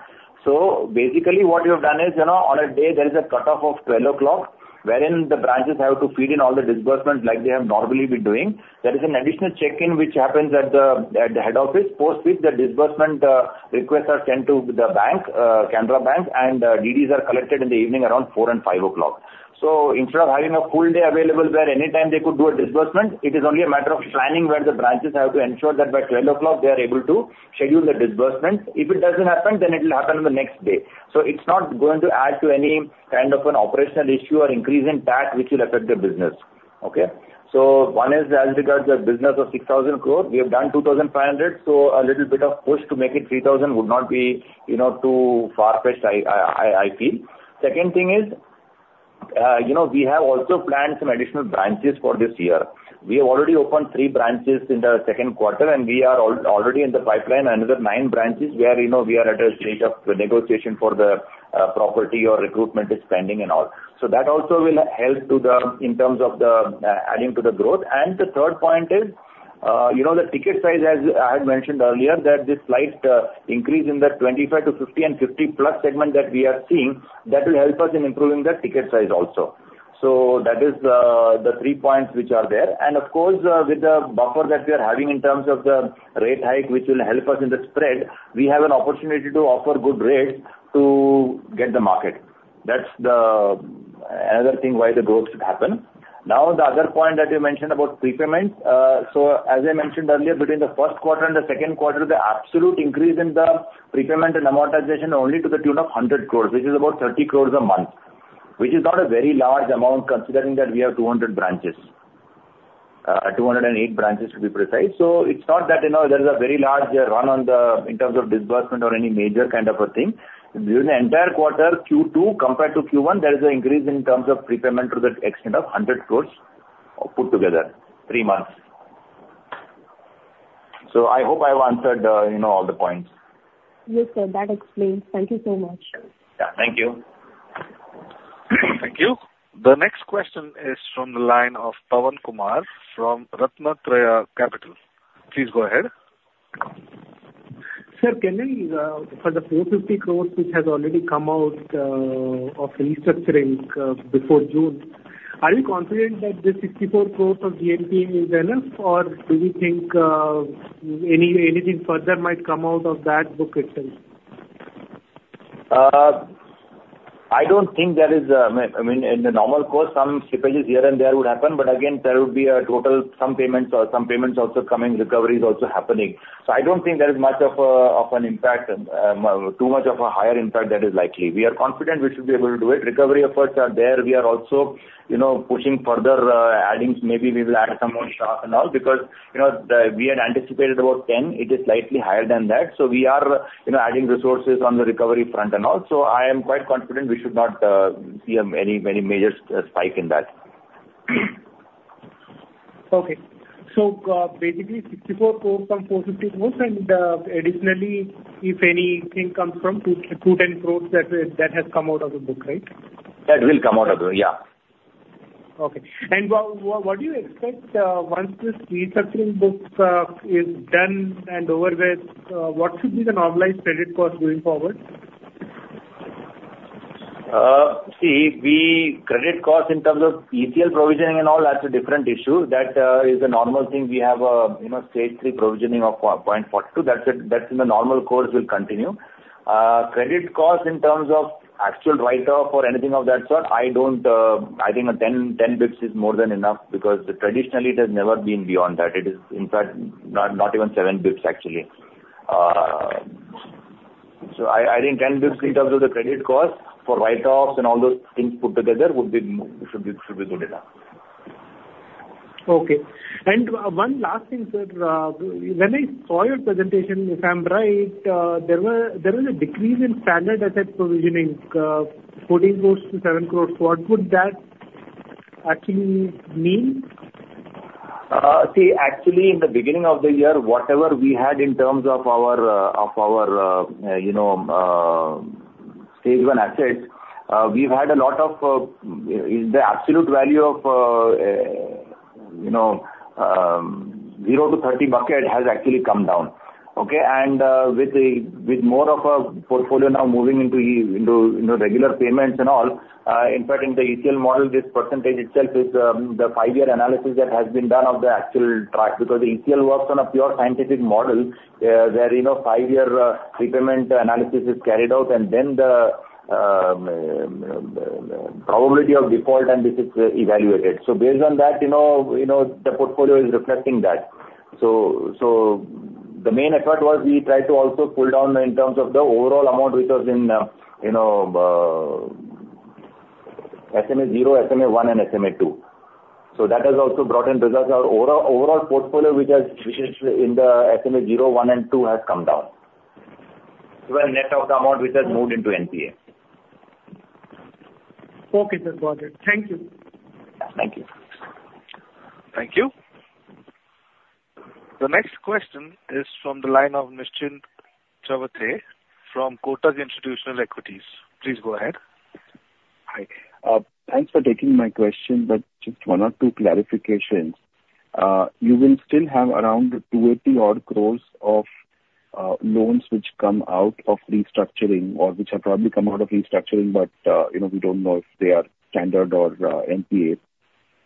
So basically, what we have done is, you know, on a day, there is a cutoff of 12 o'clock, wherein the branches have to feed in all the disbursements like they have normally been doing. There is an additional check-in which happens at the head office. Post which, the disbursement requests are sent to the bank, Canara Bank, and DDs are collected in the evening around 4:00 P.M. and 5:00 P.M. So instead of having a full day available where any time they could do a disbursement, it is only a matter of planning where the branches have to ensure that by 12:00 P.M., they are able to schedule the disbursement. If it doesn't happen, then it will happen the next day. So it's not going to add to any kind of an operational issue or increase in tax, which will affect the business. Okay? So one is as regards the business of 6,000 crore, we have done 2,500 crore, so a little bit of push to make it 3,000 crore would not be, you know, too far-fetched, I feel. Second thing is, you know, we have also planned some additional branches for this year. We have already opened 3 branches in the second quarter, and we are already in the pipeline, another nine branches, where, you know, we are at a stage of negotiation for the property or recruitment is pending and all. So that also will help to the, in terms of the, adding to the growth. And the third point is, you know, the ticket size, as I had mentioned earlier, that this slight increase in the 25 to 50 and 50-plus segment that we are seeing, that will help us in improving the ticket size also. So that is the three points which are there. And of course, with the buffer that we are having in terms of the rate hike, which will help us in the spread, we have an opportunity to offer good rates to get the market. That's the, another thing why the growth should happen. Now, the other point that you mentioned about prepayment. So as I mentioned earlier, between the first quarter and the second quarter, the absolute increase in the prepayment and amortization are only to the tune of 100 crore, which is about 30 crore a month, which is not a very large amount, considering that we have 200 branches. 208 branches, to be precise. So it's not that, you know, there is a very large run on the, in terms of disbursement or any major kind of a thing. During the entire quarter, Q2 compared to Q1, there is an increase in terms of prepayment to the extent of 100 crore put together, three months. So I hope I have answered, you know, all the points. Yes, sir. That explains. Thank you so much. Yeah. Thank you. Thank you. The next question is from the line of Pawan Kumar from Ratnatraya Capital. Please go ahead. Sir, can you, for the 450 crore, which has already come out of restructuring, before June, are you confident that this 64 crore of GNPA is enough, or do you think, anything further might come out of that book itself? I don't think there is, I mean, in the normal course, some slippages here and there would happen, but again, there would be a total, some payments or some payments also coming, recoveries also happening. So I don't think there is much of a, of an impact, too much of a higher impact that is likely. We are confident we should be able to do it. Recovery efforts are there. We are also, you know, pushing further, adding, maybe we will add some more staff and all, because, you know, the, we had anticipated about 10, it is slightly higher than that. So we are, you know, adding resources on the recovery front and all. So I am quite confident we should not see any, any major spike in that. Okay. So, basically, 64 crore from 450 crores, and, additionally, if anything comes from 210 crores, that is, that has come out of the book, right? That will come out of the book, yeah. Okay. And what do you expect, once this restructuring book is done and over with, what should be the normalized credit cost going forward? See, credit cost in terms of ECL provisioning and all, that's a different issue. That is a normal thing. We have a, you know, stage three provisioning of 0.42. That's a, that in the normal course will continue. Credit cost in terms of actual write-off or anything of that sort, I don't... I think ten bits is more than enough, because traditionally, it has never been beyond that. It is, in fact, not even seven bits, actually. So I think ten bits in terms of the credit cost for write-offs and all those things put together would be should be good enough. Okay. One last thing, sir. When I saw your presentation, if I'm right, there were- there was a decrease in standard asset provisioning, 14 crore-7 crore. What would that actually mean? See, actually, in the beginning of the year, whatever we had in terms of our of our, you know, stage one assets, we've had a lot of is the absolute value of, you know, 0-30 bucket has actually come down, okay? With more of a portfolio now moving into into, you know, regular payments and all, impacting the ECL model, this percentage itself is the 5-year analysis that has been done of the actual track. Because the ECL works on a pure scientific model, where, you know, 5-year prepayment analysis is carried out, and then the probability of default and this is evaluated. So based on that, you know, you know, the portfolio is reflecting that. So, so the main effort was we tried to also pull down in terms of the overall amount, which was in, you know, SMA zero, SMA one, and SMA two. So that has also brought in because our overall, overall portfolio, which has, which is in the SMA zero, one, and two, has come down. Well, net of the amount which has moved into NPA. Okay, then, got it. Thank you. Thank you. Thank you. The next question is from the line of Nishchin Chravatay from Kotak Institutional Equities. Please go ahead. Hi. Thanks for taking my question, but just one or two clarifications. You will still have around 280-odd crore of loans which come out of restructuring or which have probably come out of restructuring, but you know, we don't know if they are standard or NPA.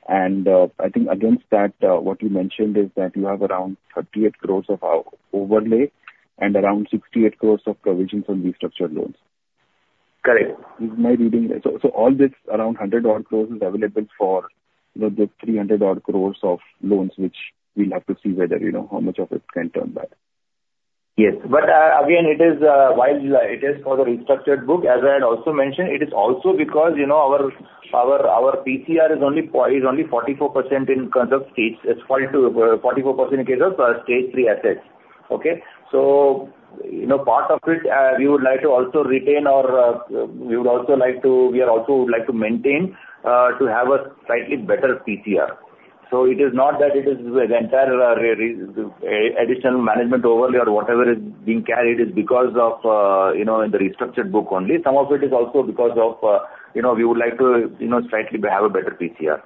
And I think against that, what you mentioned is that you have around 38 crore of our overlay and around 68 crore of provisions on restructured loans. Correct. Is my reading... So, so all this, around 100 crore, is available for, you know, the 300 crore of loans, which we'll have to see whether, you know, how much of it can turn back? Yes. But, again, it is, while it is for the restructured book, as I had also mentioned, it is also because, you know, our PCR is only 44% in terms of stage. It's 44% in case of stage three assets, okay? So, you know, part of it, we would like to also retain or, we would also like to. We are also would like to maintain, to have a slightly better PCR. So it is not that it is the entire additional management overlay or whatever is being carried, is because of, you know, in the restructured book only. Some of it is also because of, you know, we would like to, you know, slightly have a better PCR.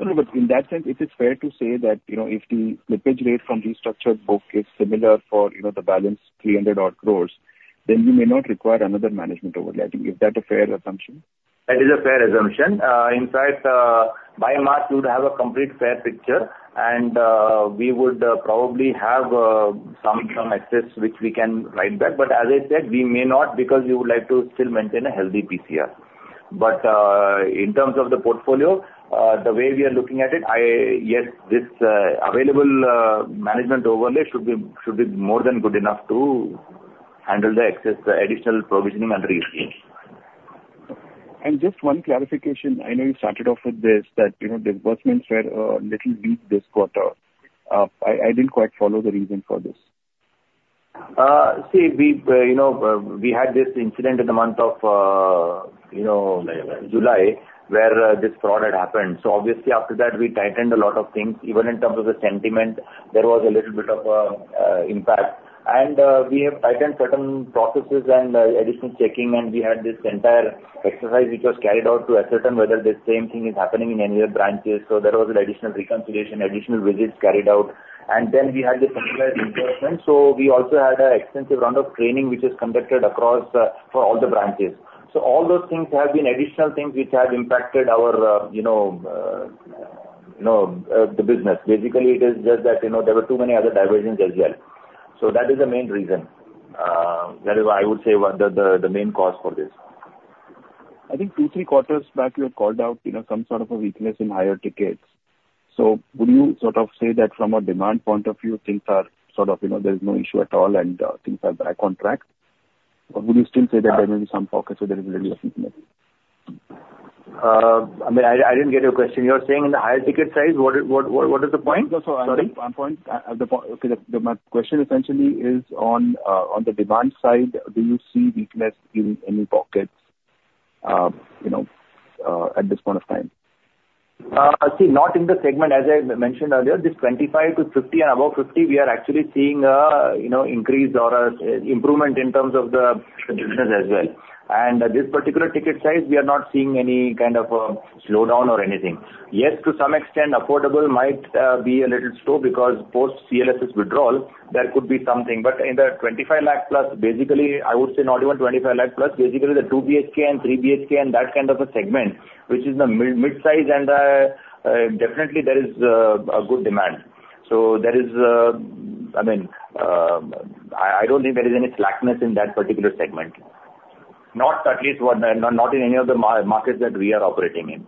No, but in that sense, it is fair to say that, you know, if the leakage rate from restructured book is similar for, you know, the balance 300 crore, then you may not require another management overlay. I think, is that a fair assumption? That is a fair assumption. In fact, by and large, we would have a complete fair picture, and we would probably have some excess which we can write back. But as I said, we may not because we would like to still maintain a healthy PCR. But in terms of the portfolio, the way we are looking at it, I... Yes, this available management overlay should be more than good enough to handle the excess additional provisioning and risk change. Just one clarification, I know you started off with this, that, you know, disbursements were little weak this quarter. I didn't quite follow the reason for this. See, we, you know, we had this incident in the month of, you know, July, where, this fraud had happened. So obviously, after that, we tightened a lot of things. Even in terms of the sentiment, there was a little bit of, impact. And, we have tightened certain processes and, additional checking, and we had this entire exercise which was carried out to ascertain whether the same thing is happening in any other branches. So there was an additional reconciliation, additional visits carried out, and then we had the centralized enforcement. So we also had an extensive round of training, which is conducted across, for all the branches. So all those things have been additional things which have impacted our, you know, the business. Basically, it is just that, you know, there were too many other diversions as well. So that is the main reason. That is why I would say one, the main cause for this. I think two, three quarters back, you had called out, you know, some sort of a weakness in higher tickets. So would you sort of say that from a demand point of view, things are sort of, you know, there's no issue at all and things are back on track? Or would you still say that there may be some pockets where there is a little weakness? I mean, I didn't get your question. You're saying in the higher ticket size, what is the point? Sorry. So my point, the point. Okay, my question essentially is on the demand side, do you see weakness in any pockets, you know, at this point of time? See, not in the segment. As I mentioned earlier, this 25 lakh to 50 lakh and above 50 lakh, we are actually seeing a, you know, increase or a improvement in terms of the business as well. And this particular ticket size, we are not seeing any kind of slowdown or anything. Yes, to some extent, affordable might be a little slow because post CLSS withdrawal, there could be something. But in the 25 lakh plus, basically, I would say not even 25 lakh plus, basically the two BHK and three BHK and that kind of a segment, which is the mid-size, and definitely there is a good demand. So there is, I mean, I don't think there is any slackness in that particular segment. Not at least one, not in any of the markets that we are operating in.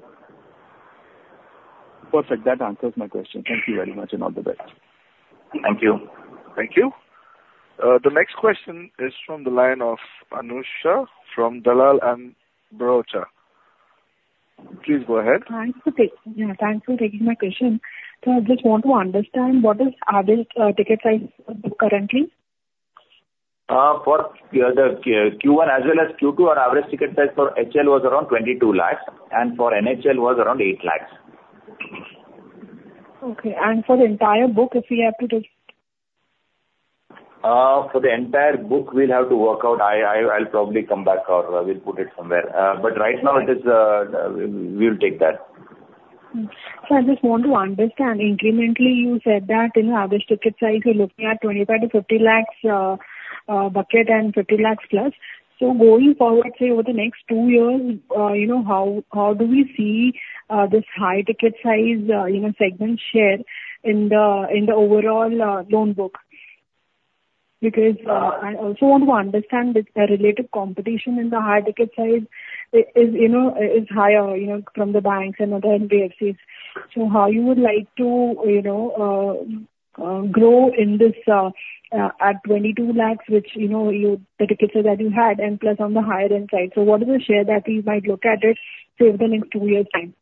Perfect. That answers my question. Thank you very much, and all the best. Thank you. Thank you. The next question is from the line of Anusha from Dalal & Broacha. Please go ahead. Yeah, thanks for taking my question. So I just want to understand what is average ticket size currently? For the Q1 as well as Q2, our average ticket size for HL was around 22 lakhs, and for NHL was around 8 lakhs.... Okay, and for the entire book, if we have to take? For the entire book, we'll have to work out. I, I'll probably come back or we'll put it somewhere. But right now it is, we will take that. So I just want to understand, incrementally, you said that, you know, average ticket size, you're looking at 25 to 50 lakhs bucket and 50 lakhs+. So going forward, say, over the next 2 years, you know, how do we see this high ticket size even segment share in the in the overall loan book? Because I also want to understand the the relative competition in the high ticket size is, you know, is higher, you know, from the banks and other NBFCs. So how you would like to, you know, grow in this at 22 lakhs, which, you know, you, the ticket size that you had, and plus on the higher end side. So what is the share that we might look at it, say, over the next 2 years' time?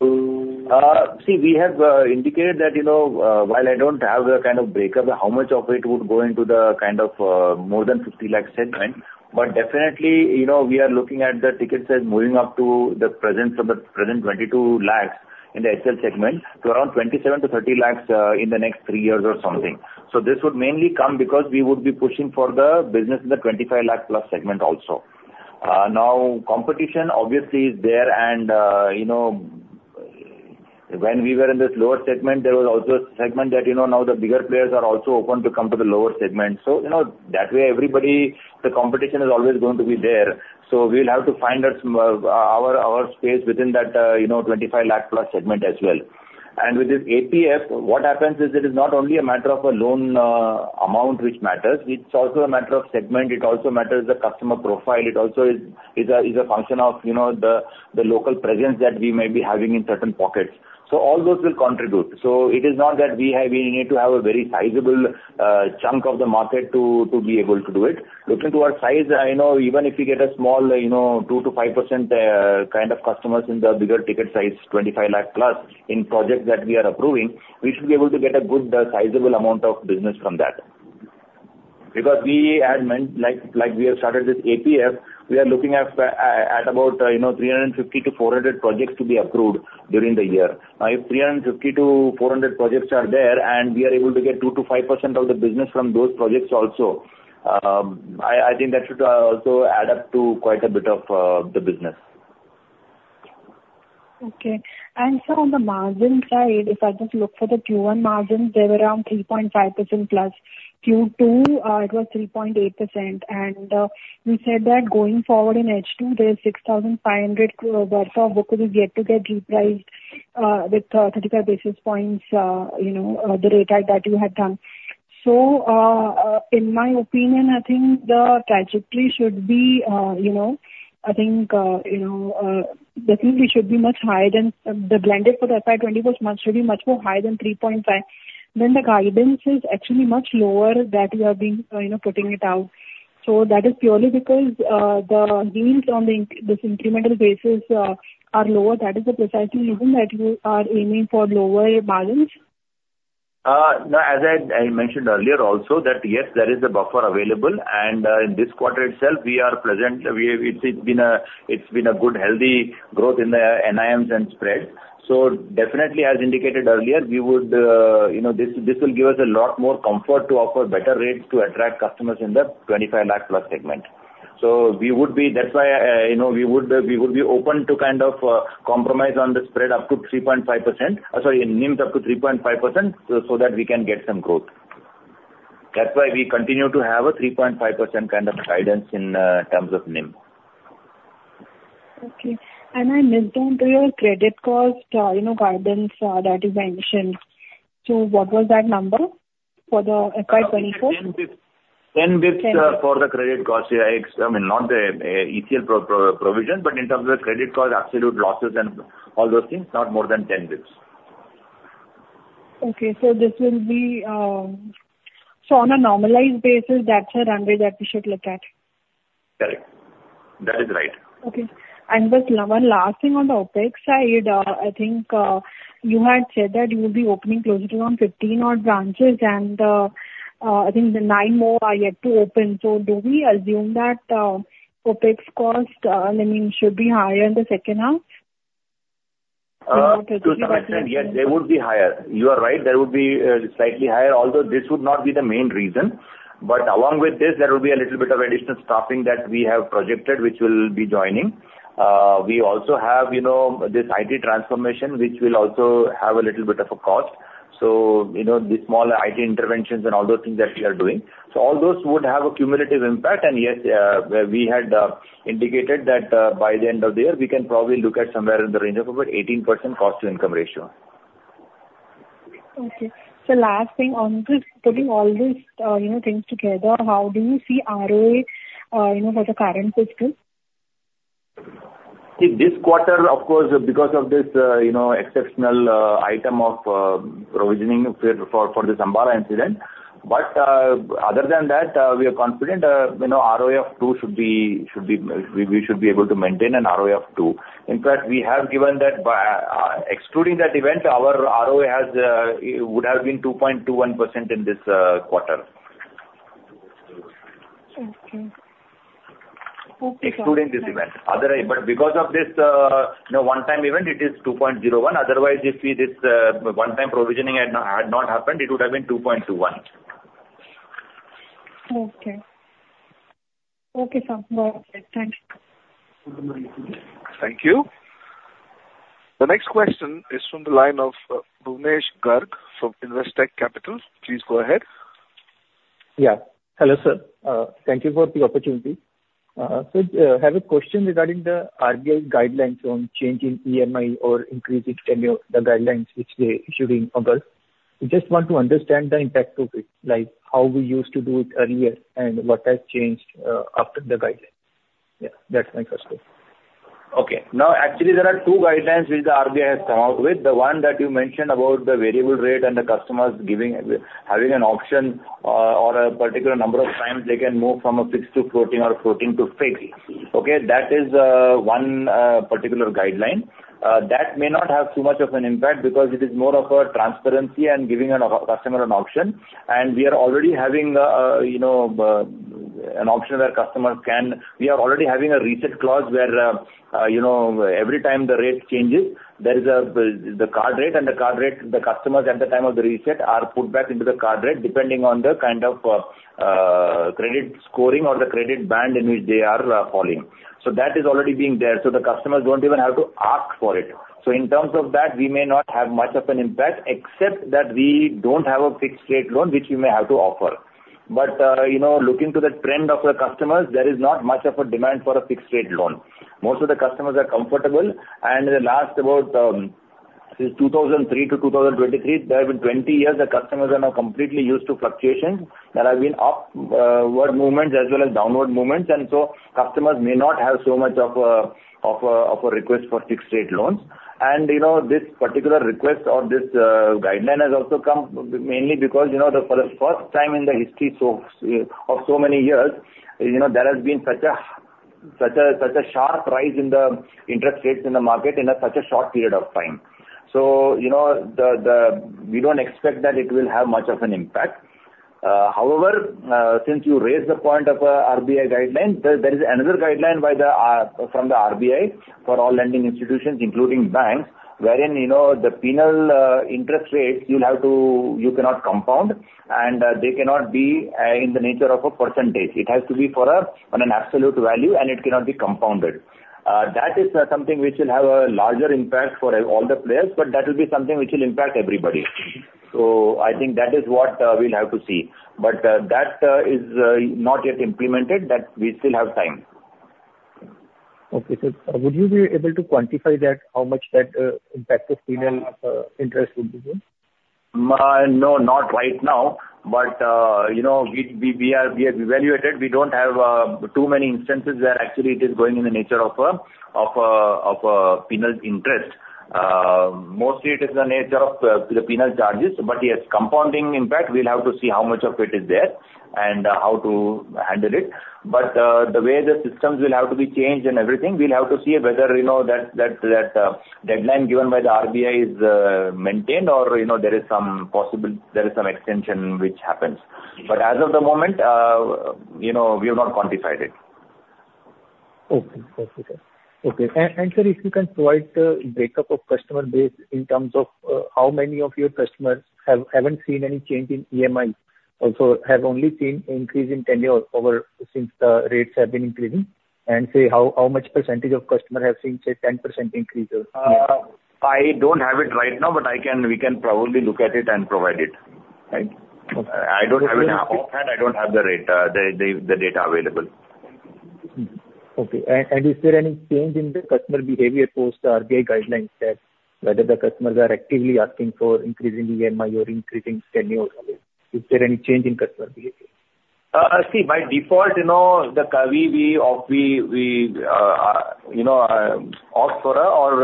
See, we have indicated that, you know, while I don't have a kind of breakup, how much of it would go into the kind of more than 50 lakh segment, but definitely, you know, we are looking at the ticket size moving up to the present, of the present 22 lakh in the Excel segment to around 27 lakh-30 lakh in the next three years or something. So this would mainly come because we would be pushing for the business in the 25 lakh plus segment also. Now, competition obviously is there, and, you know, when we were in this lower segment, there was also a segment that, you know, now the bigger players are also open to come to the lower segment. So, you know, that way, everybody, the competition is always going to be there, so we'll have to find our space within that, you know, 25 lakh-plus segment as well. And with this APF, what happens is, it is not only a matter of a loan amount which matters, it's also a matter of segment, it also matters the customer profile, it also is a function of, you know, the local presence that we may be having in certain pockets. So all those will contribute. So it is not that we need to have a very sizable chunk of the market to be able to do it. Looking to our size, I know even if you get a small, you know, 2%-5% kind of customers in the bigger ticket size, 25 lakh plus, in projects that we are approving, we should be able to get a good, sizable amount of business from that. Because we had meant, like we have started this APF, we are looking at about, you know, 350-400 projects to be approved during the year. Now, if 350-400 projects are there, and we are able to get 2%-5% of the business from those projects also, I think that should also add up to quite a bit of the business. Okay. On the margin side, if I just look for the Q1 margins, they were around 3.5% plus. Q2, it was 3.8%, and you said that going forward in H2, there is 6,500 worth of books is yet to get repriced, with 35 basis points, you know, the rate at that you had done. So, in my opinion, I think the trajectory should be, you know, I think, you know, definitely should be much higher than... the blended for the FY 2024 months should be much more higher than 3.5. Then the guidance is actually much lower that you have been, you know, putting it out. So that is purely because, the gains on this incremental basis are lower. That is the precise reason that you are aiming for lower margins? No, as I mentioned earlier also, that yes, there is a buffer available, and in this quarter itself, we are present. It's been a good, healthy growth in the NIMs and spreads. So definitely, as indicated earlier, we would, you know, this will give us a lot more comfort to offer better rates to attract customers in the 25 lakh plus segment. So we would be... That's why, you know, we would be open to kind of compromise on the spread up to 3.5%, sorry, NIMs up to 3.5%, so that we can get some growth. That's why we continue to have a 3.5% kind of guidance in terms of NIM. Okay. And I missed on to your credit cost, you know, guidance, that is mentioned. So what was that number for the FY 2024? basis points. 10 basis points, Ten bps. for the credit cost, yeah, I mean, not the ECL provision, but in terms of the credit cost, absolute losses and all those things, not more than 10 basis points. Okay, so this will be, so on a normalized basis, that's a runway that we should look at? Correct. That is right. Okay. And just one last thing on the OpEx side. I think you had said that you will be opening closer to around 15 odd branches, and I think the 9 more are yet to open. So do we assume that OpEx cost, I mean, should be higher in the second half? To some extent, yes, they would be higher. You are right, there would be slightly higher, although this would not be the main reason. But along with this, there will be a little bit of additional staffing that we have projected, which will be joining. We also have, you know, this IT transformation, which will also have a little bit of a cost. So, you know, the small IT interventions and all those things that we are doing. So all those would have a cumulative impact, and yes, we had indicated that by the end of the year, we can probably look at somewhere in the range of about 18% cost-to-income ratio. Okay. So last thing on this, putting all these, you know, things together, how do you see ROA, you know, for the current fiscal? See, this quarter, of course, because of this, you know, exceptional item of provisioning for the Ambala incident, but other than that, we are confident, you know, ROA of 2 should be; we should be able to maintain an ROA of 2. In fact, we have given that by... Excluding that event, our ROA would have been 2.21% in this quarter.... Okay. Okay, sir. Excluding this event. Otherwise, but because of this, you know, one-time event, it is 2.01. Otherwise, if this one-time provisioning had not happened, it would have been 2.21. Okay. Okay, sir. No, thanks. Thank you. The next question is from the line of Bhuvnesh Garg from Investec Capital. Please go ahead. Yeah. Hello, sir. Thank you for the opportunity. So, I have a question regarding the RBI guidelines on changing EMI or increasing tenure, the guidelines which they issued in August. We just want to understand the impact of it, like how we used to do it earlier and what has changed after the guidelines. Yeah, that's my first question. Okay. Now, actually, there are two guidelines which the RBI has come out with. The one that you mentioned about the variable rate and the customers giving, having an option, or a particular number of times they can move from a fixed to floating or floating to fixed. Okay? That is, one, particular guideline. That may not have too much of an impact because it is more of a transparency and giving a customer an option. And we are already having, you know, an option where customers can... We are already having a reset clause where, you know, every time the rate changes, there is a, the card rate, and the card rate, the customers at the time of the reset are put back into the card rate, depending on the kind of, credit scoring or the credit band in which they are, falling. So that is already being there, so the customers don't even have to ask for it. So in terms of that, we may not have much of an impact, except that we don't have a fixed rate loan, which we may have to offer. But, you know, looking to the trend of the customers, there is not much of a demand for a fixed rate loan. Most of the customers are comfortable, and in the last about since 2003 to 2023, there have been 20 years, the customers are now completely used to fluctuations. There have been upward movements as well as downward movements, and so customers may not have so much of a, of a, of a request for fixed rate loans. And, you know, this particular request or this guideline has also come mainly because, you know, the, for the first time in the history so of so many years, you know, there has been such a, such a, such a sharp rise in the interest rates in the market in a such a short period of time. So, you know, the... We don't expect that it will have much of an impact. However, since you raised the point of RBI guideline, there is another guideline by the R-- from the RBI for all lending institutions, including banks, wherein, you know, the penal interest rates, you'll have to... You cannot compound, and they cannot be in the nature of a percentage. It has to be for a, on an absolute value, and it cannot be compounded. That is something which will have a larger impact for all the players, but that will be something which will impact everybody. So I think that is what we'll have to see. But that is not yet implemented, that we still have time. Okay, sir. Would you be able to quantify that, how much that impact of penal interest would be then? No, not right now, but you know, we have evaluated. We don't have too many instances where actually it is going in the nature of a penal interest. Mostly it is the nature of the penal charges, but yes, compounding impact, we'll have to see how much of it is there and how to handle it. But the way the systems will have to be changed and everything, we'll have to see whether, you know, that deadline given by the RBI is maintained or, you know, there is some possible, there is some extension which happens. But as of the moment, you know, we have not quantified it. Okay. Okay, sir. Okay. And, sir, if you can provide the breakup of customer base in terms of how many of your customers haven't seen any change in EMI, also have only seen increase in tenure ever since the rates have been increasing? And, say, how much percentage of customer have seen, say, 10% increase or...? I don't have it right now, but I can, we can probably look at it and provide it. Right? Okay. I don't have it offhand. I don't have the rate, the data available. Okay. And, and is there any change in the customer behavior post the RBI guidelines that whether the customers are actively asking for increasing EMI or increasing tenure? Is there any change in customer behavior? See, by default, you know, we opt for a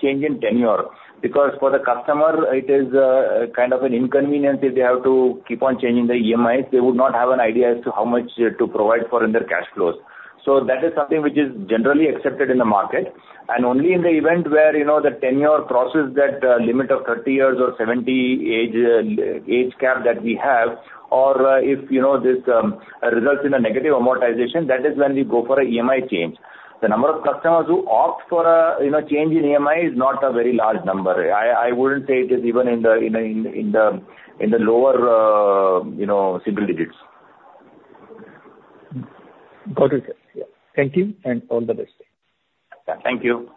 change in tenure as per the loan agreement. Because for the customer, it is kind of an inconvenience if they have to keep on changing their EMIs. They would not have an idea as to how much to provide for in their cash flows. So that is something which is generally accepted in the market, and only in the event where, you know, the tenure crosses that limit of 30 years or 70 age cap that we have, or if, you know, this results in a negative amortization, that is when we go for a EMI change. The number of customers who opt for a change in EMI is not a very large number. I wouldn't say it is even in the lower, you know, single digits. Got it, sir. Yeah. Thank you, and all the best. Thank you.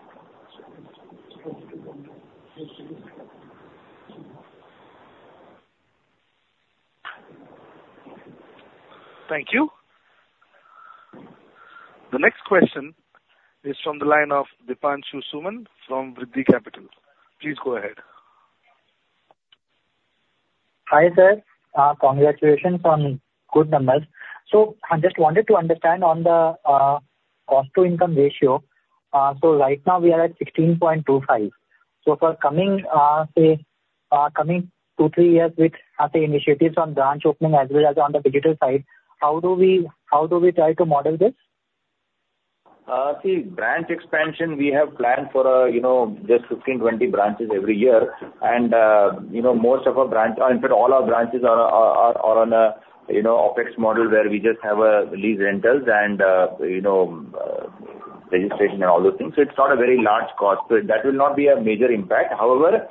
Thank you. The next question is from the line of Deepanshu Suman from Vriddhi Capital. Please go ahead. Hi, sir. Congratulations on good numbers. So I just wanted to understand on the cost to income ratio. So right now we are at 16.25. So for coming, say, coming two to threes with the initiatives on branch opening as well as on the digital side, how do we, how do we try to model this? ... See, branch expansion, we have planned for, you know, just 15, 20 branches every year. You know, most of our branch, in fact, all our branches are on a, you know, OpEx model, where we just have lease rentals and, you know, registration and all those things. So it's not a very large cost, so that will not be a major impact. However,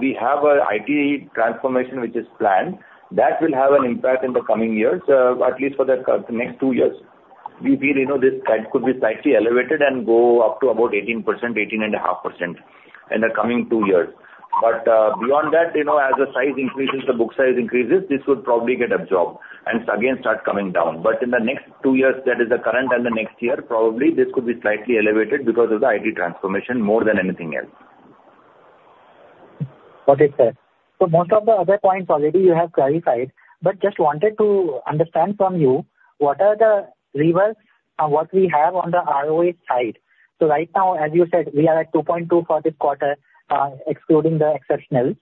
we have an IT transformation, which is planned. That will have an impact in the coming years, at least for the next two years. We feel, you know, this trend could be slightly elevated and go up to about 18%, 18.5% in the coming two years. Beyond that, you know, as the size increases, the book size increases, this would probably get absorbed and again, start coming down. In the next two years, that is the current and the next year, probably this could be slightly elevated because of the IT transformation, more than anything else. Okay, sir. So most of the other points already you have clarified, but just wanted to understand from you, what are the levers and what we have on the ROA side? So right now, as you said, we are at 2.2 for this quarter, excluding the exceptionals.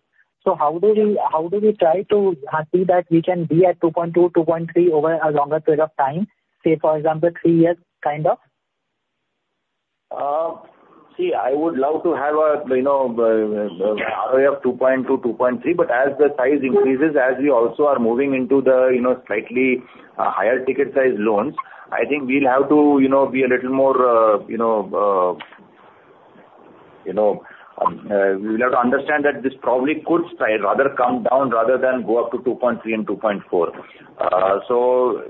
So how do we, how do we try to see that we can be at 2.2, 2.3 over a longer period of time, say, for example, 3 years, kind of? See, I would love to have a, you know, ROE of 2.2, 2.3, but as the size increases, as we also are moving into the, you know, slightly, higher ticket size loans, I think we'll have to, you know, be a little more, you know... We'll have to understand that this probably could stay, rather, come down, rather than go up to 2.3 and 2.4. So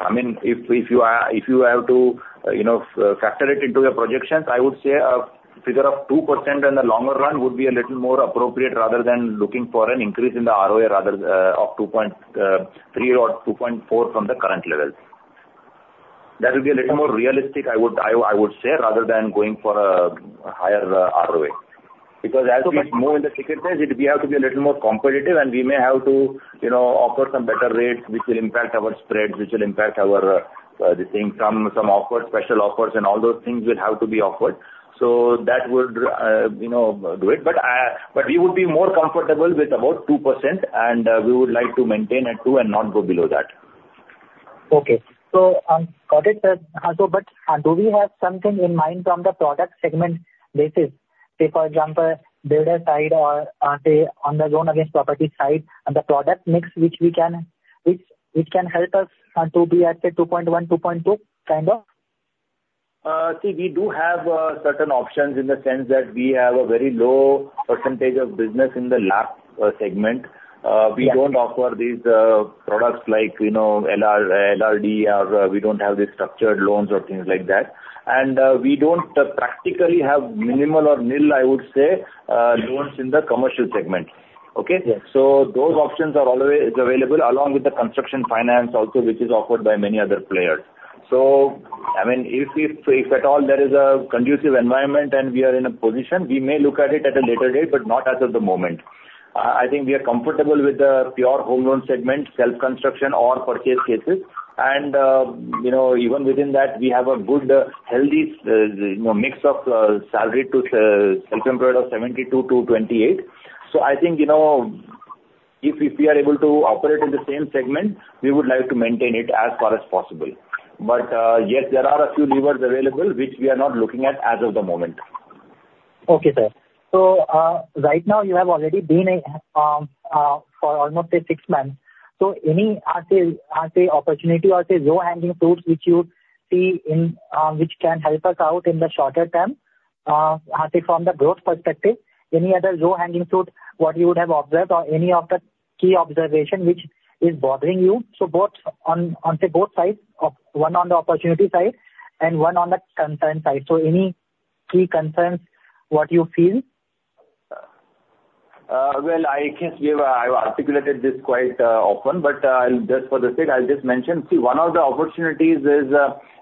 I mean, if, if you are, if you have to, you know, factor it into your projections, I would say a figure of 2% in the longer run would be a little more appropriate, rather than looking for an increase in the ROA rather, of 2.3 or 2.4 from the current levels. That would be a little more realistic, I would say, rather than going for a higher ROA. Because as we move in the ticket price, we have to be a little more competitive, and we may have to, you know, offer some better rates, which will impact our spreads, which will impact our the thing, some offers, special offers, and all those things will have to be offered. So that would, you know, do it. But we would be more comfortable with about 2%, and we would like to maintain at 2% and not go below that. Okay. So, got it, sir. So but, do we have something in mind from the product segment basis? Say, for example, builder side or, say, on the loan against property side, and the product mix, which we can, which, which can help us, to be at a 2.1-2.2 kind of? See, we do have certain options in the sense that we have a very low percentage of business in the LAPs segment. Yes. We don't offer these products like, you know, LR, LRD, or we don't have the structured loans or things like that. We don't practically have minimal or nil, I would say, loans in the commercial segment. Okay? Yes. Those options are always available, along with the construction finance also, which is offered by many other players. I mean, if at all, there is a conducive environment and we are in a position, we may look at it at a later date, but not as of the moment. I think we are comfortable with the pure home loan segment, self-construction or purchase cases. You know, even within that, we have a good, healthy, you know, mix of salaried to self-employed of 72-28. I think, you know, if we are able to operate in the same segment, we would like to maintain it as far as possible. Yes, there are a few levers available, which we are not looking at as of the moment. Okay, sir. So, right now, you have already been for almost six months. So any opportunity or low-hanging fruits, which you see in which can help us out in the shorter term, as from the growth perspective, any other low-hanging fruit, what you would have observed or any of the key observation which is bothering you? So both on both sides, of one on the opportunity side and one on the concern side. So any key concerns, what you feel? Well, I guess we have, I've articulated this quite often, but just for the sake, I'll just mention: See, one of the opportunities is,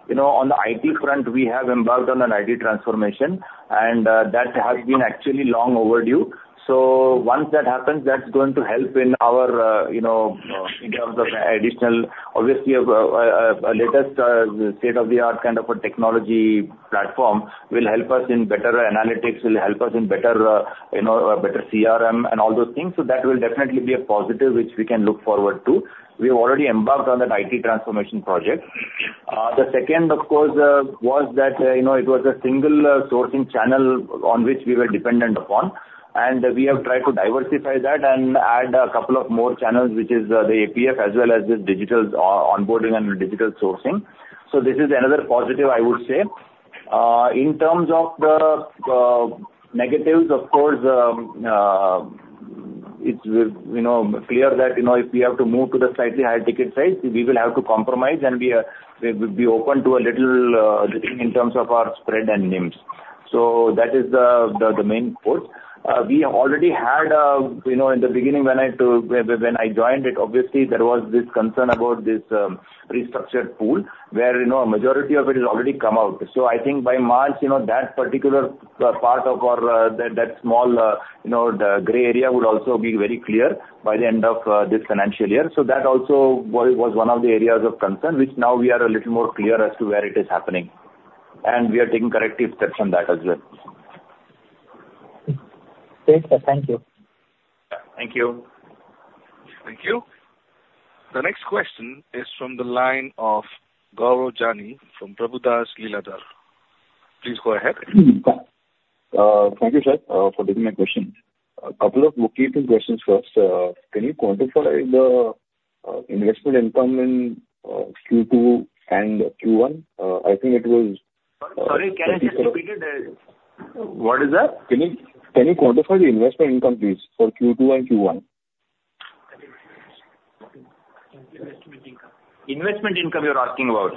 you know, on the IT front, we have embarked on an IT transformation, and that has been actually long overdue. So once that happens, that's going to help in our, you know, in terms of additional... Obviously, a latest, state-of-the-art kind of a technology platform will help us in better analytics, will help us in better, you know, a better CRM and all those things. So that will definitely be a positive, which we can look forward to. We have already embarked on that IT transformation project. The second, of course, was that, you know, it was a single sourcing channel on which we were dependent upon, and we have tried to diversify that and add a couple of more channels, which is the APF as well as the digital onboarding and digital sourcing. So this is another positive, I would say. In terms of the negatives, of course, it's, you know, clear that, you know, if we have to move to the slightly higher ticket size, we will have to compromise, and we are- we would be open to a little little in terms of our spread and NIMs. So that is the main course. We already had, you know, in the beginning, when I joined it, obviously, there was this concern about this, restructured pool, where, you know, majority of it has already come out. So I think by March, you know, that particular, part of our, that, that small, you know, the gray area would also be very clear by the end of, this financial year. So that also was, was one of the areas of concern, which now we are a little more clear as to where it is happening, and we are taking corrective steps on that as well. Okay, sir. Thank you. Thank you. Thank you. The next question is from the line of Gaurav Jani from Prabhudas Lilladher. Please go ahead. Thank you, sir, for taking my question. A couple of location questions first. Can you quantify the investment income in Q2 and Q1? I think it was- Sorry, can I just repeat it? What is that? Can you quantify the investment income, please, for Q2 and Q1? Investment income. Investment income you're asking about?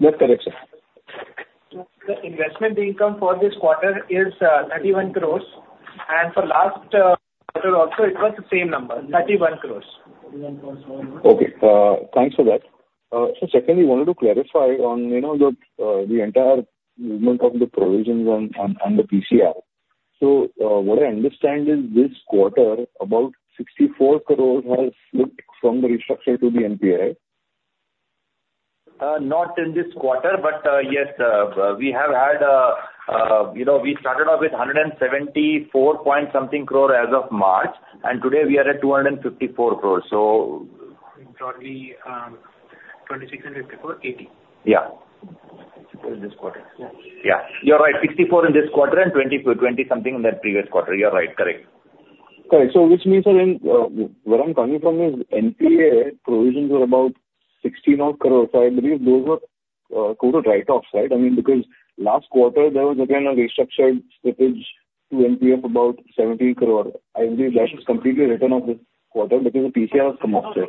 That's correct, sir. The investment income for this quarter is 31 crore, and for last quarter also, it was the same number, 31 crore. 31.1. Okay, thanks for that. So secondly, wanted to clarify on, you know, the entire movement of the provisions on the PCI. So, what I understand is this quarter, about 64 crore has flipped from the restructure to the NPA. Not in this quarter, but yes, we have had, you know, we started off with INR 174.something crore as of March, and today we are at 254 crores, so- Probably, 26 and 54, 80. Yeah. In this quarter. Yeah. You're right, 64 in this quarter, and 24, 20-something in that previous quarter. You're right, correct. Correct. So which means then, where I'm coming from is NPA provisions were about 69 crore, so I believe those were written off, right? I mean, because last quarter there was again, a restructure slippage to NPA of about 70 crore. I believe that is completely written off this quarter because the PCR has come up there.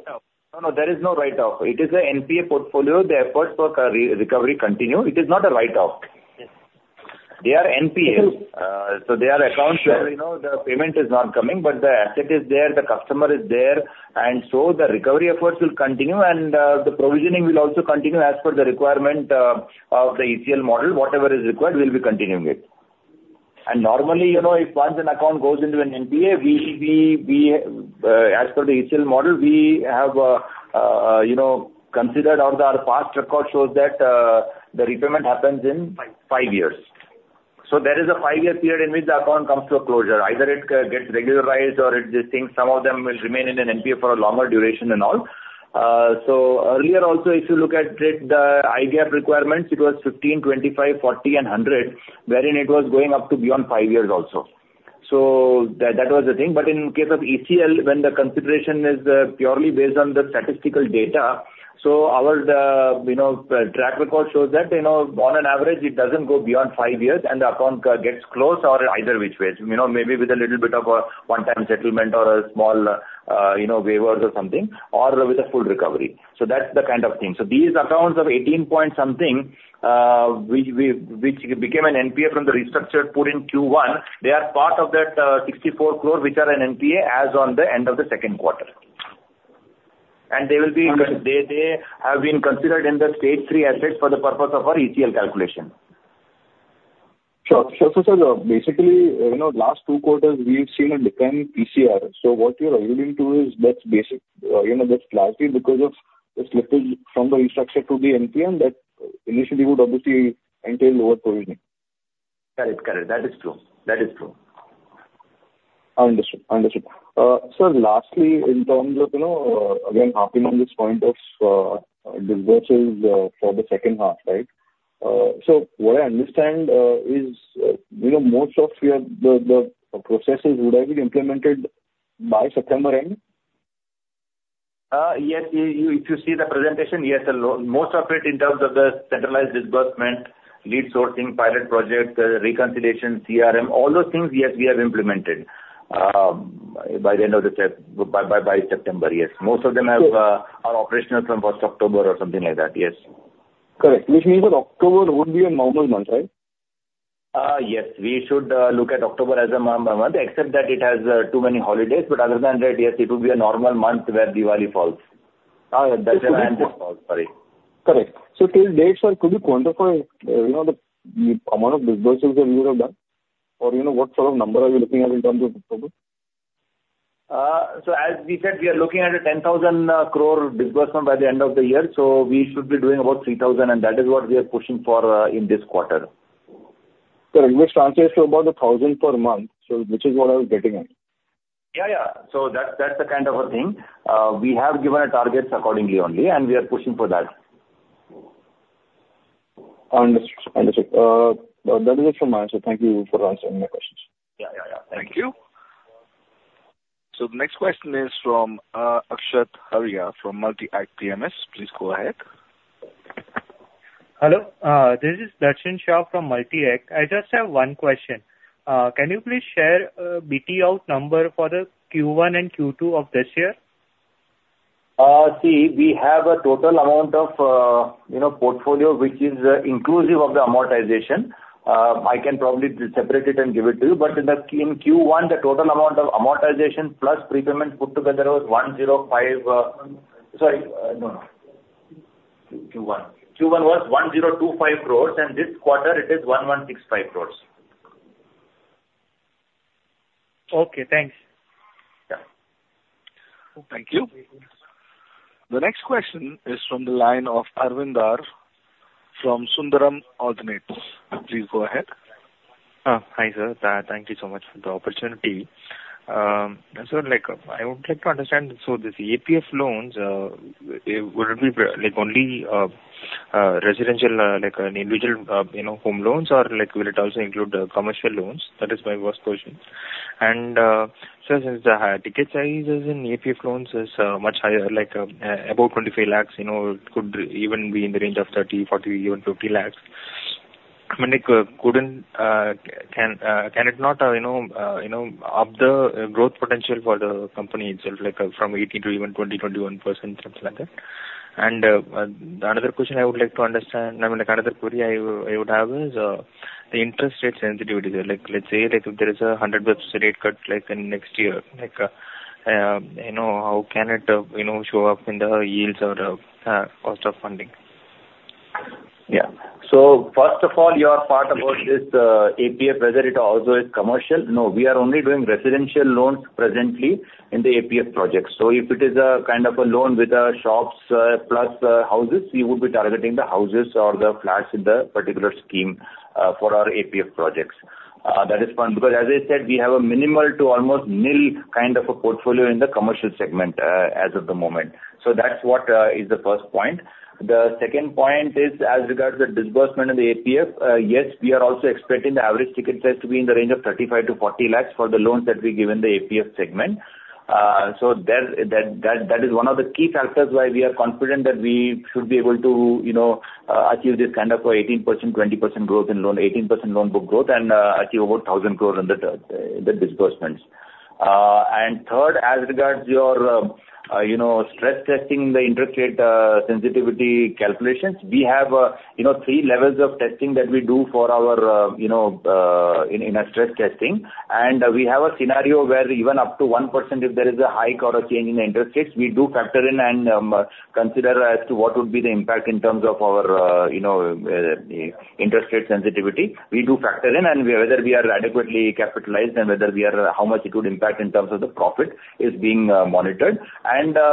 No, no, there is no write-off. It is a NPA portfolio. The efforts for re-recovery continue. It is not a write-off. Yes. They are NPA. So they are accounts where, you know, the payment is not coming, but the asset is there, the customer is there, and so the recovery efforts will continue and, the provisioning will also continue as per the requirement, of the ECL model. Whatever is required, we'll be continuing it. Normally, you know, if once an account goes into an NPA, we as per the ECL model, we have, you know, considered or our past record shows that, the repayment happens in- Five. Five years. So there is a five-year period in which the account comes to a closure. Either it, gets regularized or it, these things, some of them will remain in an NPA for a longer duration and all. So earlier also, if you look at the, the IGAP requirements, it was 15, 25, 40, and 100, wherein it was going up to beyond five years also. So that, that was the thing. But in case of ECL, when the consideration is, purely based on the statistical data, so our, the, you know, track record shows that, you know, on an average it doesn't go beyond five years, and the account, gets closed or either which ways. You know, maybe with a little bit of a one-time settlement or a small, you know, waivers or something, or with a full recovery. So that's the kind of thing. So these accounts of 18 point something, which we, which became an NPA from the restructure pool in Q1, they are part of that, 64 crores, which are an NPA as on the end of the second quarter. And they will be- Understood. They have been considered in the Stage 3 assets for the purpose of our ECL calculation. Sure. So, basically, you know, last two quarters, we've seen a decline in PCR. So what you're alluding to is that's basic, you know, that's largely because of the slippage from the restructure to the NPA, and that initially would obviously entail lower provisioning. Correct. Correct. That is true. That is true. I understand. I understand. Sir, lastly, in terms of, you know, again, harping on this point of, disbursements, for the second half, right? So what I understand, is, you know, most of your... the, the processes would have been implemented by September end? Yes. If you, if you see the presentation, yes, most of it in terms of the centralized disbursement, lead sourcing, pilot project, reconciliation, CRM, all those things, yes, we have implemented by the end of September, yes. Good. Most of them have are operational from first October or something like that, yes. Correct. Which means that October would be a normal month, right? Yes. We should look at October as a normal month, except that it has too many holidays, but other than that, yes, it would be a normal month where Diwali falls. Dussehra falls, sorry. Correct. So till date, sir, could you quantify, you know, the amount of disbursements that you have done? Or, you know, what sort of number are you looking at in terms of disbursement? As we said, we are looking at a 10,000 crore disbursement by the end of the year, so we should be doing about 3,000 crore, and that is what we are pushing for in this quarter. So, which translates to about 1,000 per month, so which is what I was getting at. Yeah, yeah. So that, that's the kind of a thing. We have given a targets accordingly only, and we are pushing for that. I understand. That is it from my end. So thank you for answering my questions. Yeah, yeah, yeah. Thank you. The next question is from Akshat Arya from Multi-Act PMS. Please go ahead. Hello, this is Darshan Shah from Multi-Act. I just have one question. Can you please share BT out number for the Q1 and Q2 of this year? See, we have a total amount of, you know, portfolio, which is inclusive of the amortization. I can probably separate it and give it to you, but in Q1, the total amount of amortization plus prepayment put together was 105... Sorry, no, no. Q1. Q1 was 1,025 crores, and this quarter it is 1,165 crores. Okay, thanks. Yeah.... Thank you. The next question is from the line of Arvind Dar from Sundaram Alternates. Please go ahead. Hi, sir. Thank you so much for the opportunity. So like, I would like to understand, so this APF loans, would it be like only residential, like an individual, you know, home loans, or like will it also include commercial loans? That is my first question. So since the ticket sizes in APF loans is much higher, like, about 25 lakhs, you know, could even be in the range of 30, 40, even 50 lakhs, I mean, like, couldn't, can, can it not, you know, you know, up the growth potential for the company itself, like from 18% to even 20-21%, something like that? Another question I would like to understand, I mean, like another query I would, I would have is, the interest rates sensitivity. Like, let's say, like if there is a 100 basis points rate cut, like in next year, like, you know, how can it, you know, show up in the yields or the cost of funding? Yeah. So first of all, your part about this, APF, whether it also is commercial. No, we are only doing residential loans presently in the APF project. So if it is a kind of a loan with the shops, plus, houses, we would be targeting the houses or the flats in the particular scheme, for our APF projects. That is one, because as I said, we have a minimal to almost nil kind of a portfolio in the commercial segment, as of the moment. So that's what is the first point. The second point is as regards the disbursement of the APF, yes, we are also expecting the average ticket size to be in the range of 35-40 lakhs for the loans that we give in the APF segment. So, that is one of the key factors why we are confident that we should be able to, you know, achieve this kind of 18%-20% growth in loan, 18% loan book growth, and achieve over 1,000 crore in the disbursements. And third, as regards your, you know, stress testing, the interest rate sensitivity calculations, we have, you know, three levels of testing that we do for our, you know, in our stress testing. And we have a scenario where even up to 1%, if there is a hike or a change in the interest rates, we do factor in and consider as to what would be the impact in terms of our, you know, interest rate sensitivity. We do factor in, and whether we are adequately capitalized and whether we are... how much it would impact in terms of the profit is being monitored.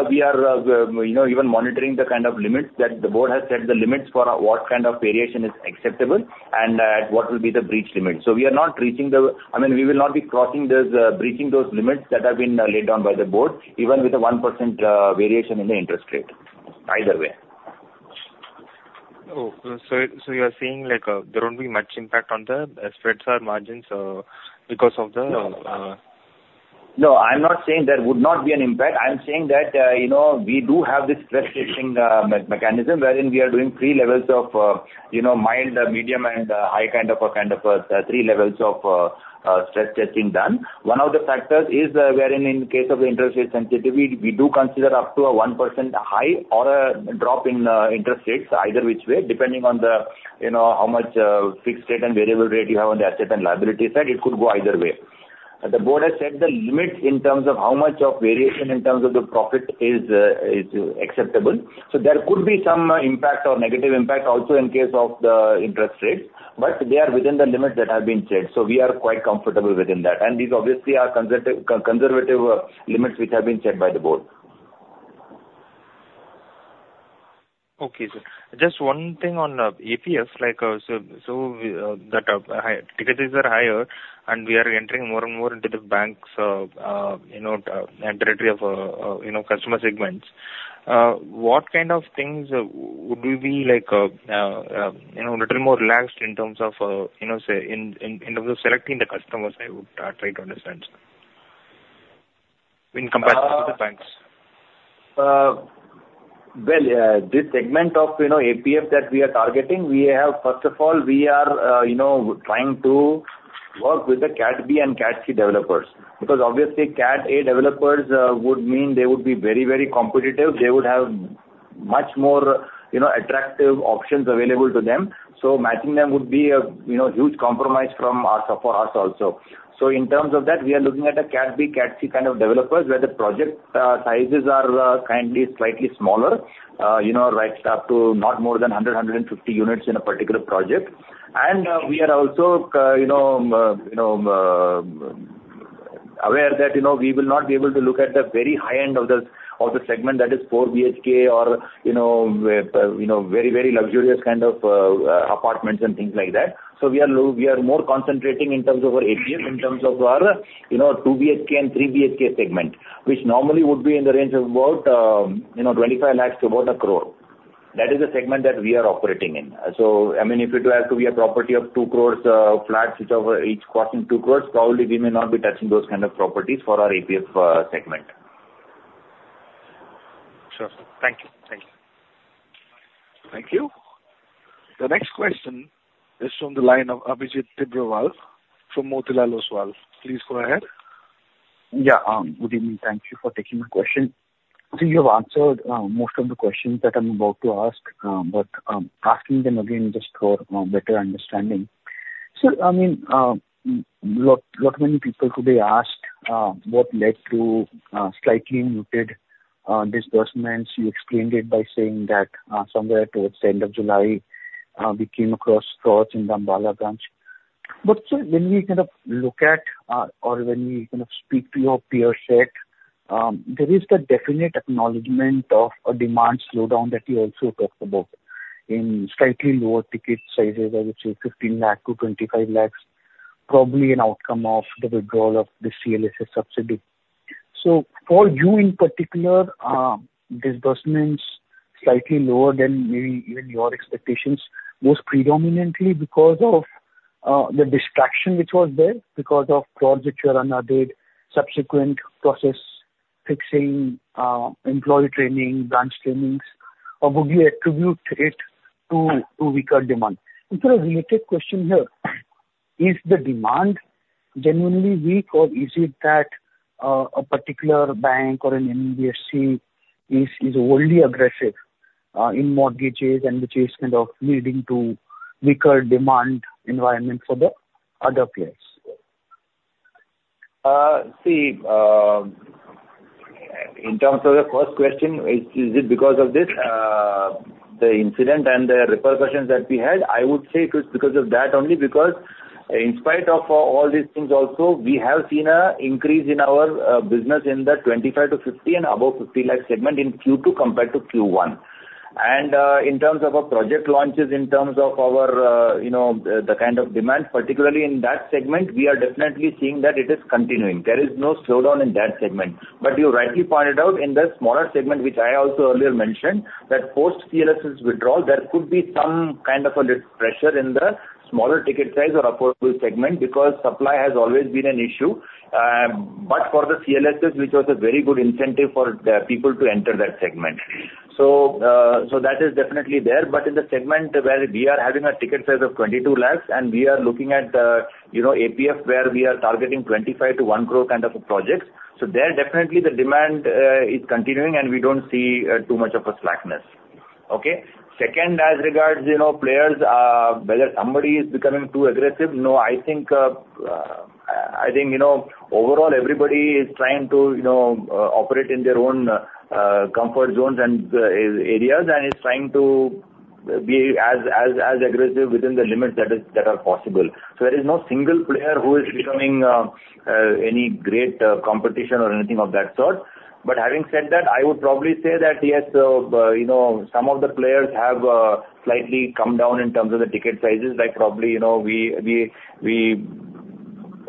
We are, you know, even monitoring the kind of limits that the board has set the limits for what kind of variation is acceptable and what will be the breach limit. So we are not reaching the - I mean, we will not be crossing those breaching those limits that have been laid down by the board, even with a 1% variation in the interest rate, either way. Oh, so, so you are saying, like, there won't be much impact on the spreads or margins, because of the, No, I'm not saying there would not be an impact. I'm saying that, you know, we do have this stress testing mechanism, wherein we are doing three levels of, you know, mild, medium, and high kind of a, kind of three levels of stress testing done. One of the factors is, wherein in case of the interest rate sensitivity, we do consider up to a 1% high or a drop in interest rates, either which way, depending on the, you know, how much fixed rate and variable rate you have on the asset and liability side, it could go either way. The board has set the limits in terms of how much of variation in terms of the profit is acceptable. So there could be some impact or negative impact also in case of the interest rate, but they are within the limits that have been set, so we are quite comfortable within that. And these obviously are conservative limits which have been set by the board. Okay, sir. Just one thing on APF, like, so, that high-ticket are higher, and we are entering more and more into the banks', you know, you know, customer segments. What kind of things would we be like, you know, little more relaxed in terms of, you know, say, in, in, in terms of selecting the customers? I would try to understand, sir, in comparison to the banks. Well, this segment of, you know, APF that we are targeting, we have. First of all, we are, you know, trying to work with the Cat B and Cat C developers, because obviously Cat A developers would mean they would be very, very competitive. They would have much more, you know, attractive options available to them. So matching them would be a, you know, huge compromise from us, for us also. So in terms of that, we are looking at a Cat B, Cat C kind of developers, where the project sizes are kindly, slightly smaller, you know, right up to not more than 100-150 units in a particular project. We are also, you know, aware that, you know, we will not be able to look at the very high end of the segment, that is 4 BHK or, you know, very, very luxurious kind of apartments and things like that. So we are more concentrating in terms of our APF, in terms of our, you know, 2 BHK and 3 BHK segment, which normally would be in the range of about, you know, 25 lakhs to about 1 crore. That is the segment that we are operating in. So, I mean, if it has to be a property of 2 crores, flats, which are each costing 2 crores, probably we may not be touching those kind of properties for our APF segment. Sure. Thank you. Thank you. Thank you. The next question is from the line of Abhijit Tibrewal from Motilal Oswal. Please go ahead. Yeah, good evening. Thank you for taking the question. I think you have answered most of the questions that I'm about to ask, but asking them again, just for better understanding. So I mean, lot many people today asked what led to slightly muted disbursements. You explained it by saying that somewhere towards the end of July we came across fraud in the Ambala branch... But sir, when we kind of look at or when we kind of speak to your peer set, there is the definite acknowledgement of a demand slowdown that you also talked about in slightly lower ticket sizes, which is 15 lakh-25 lakhs, probably an outcome of the withdrawal of the CLSS subsidy. So for you, in particular, disbursements slightly lower than maybe even your expectations, most predominantly because of the distraction which was there because of projects which are unaided, subsequent process fixing, employee training, branch trainings, or would you attribute it to, to weaker demand? And sort of related question here, is the demand genuinely weak, or is it that a particular bank or an NBFC is, is only aggressive in mortgages and which is kind of leading to weaker demand environment for the other players? See, in terms of the first question, is it because of this, the incident and the repercussions that we had? I would say it is because of that only, because in spite of all these things also, we have seen an increase in our business in the 25 lakh to 50 lakh and above 50 lakh segment in Q2 compared to Q1. And in terms of our project launches, in terms of our, you know, the kind of demand, particularly in that segment, we are definitely seeing that it is continuing. There is no slowdown in that segment. But you rightly pointed out in the smaller segment, which I also earlier mentioned, that post-CLSS withdrawal, there could be some kind of a little pressure in the smaller ticket size or affordable segment because supply has always been an issue. But for the CLSS, which was a very good incentive for the people to enter that segment. So, so that is definitely there. But in the segment where we are having a ticket size of 22 lakh, and we are looking at, you know, APF, where we are targeting 25 lakh to 1 crore crore kind of a project. So there, definitely the demand, is continuing, and we don't see, too much of a slackness. Okay? Second, as regards, you know, players, whether somebody is becoming too aggressive, no, I think, I think, you know, overall, everybody is trying to, you know, operate in their own, comfort zones and, areas, and is trying to be as, as, as aggressive within the limits that that are possible. So there is no single player who is becoming any great competition or anything of that sort. But having said that, I would probably say that, yes, you know, some of the players have slightly come down in terms of the ticket sizes, like probably, you know,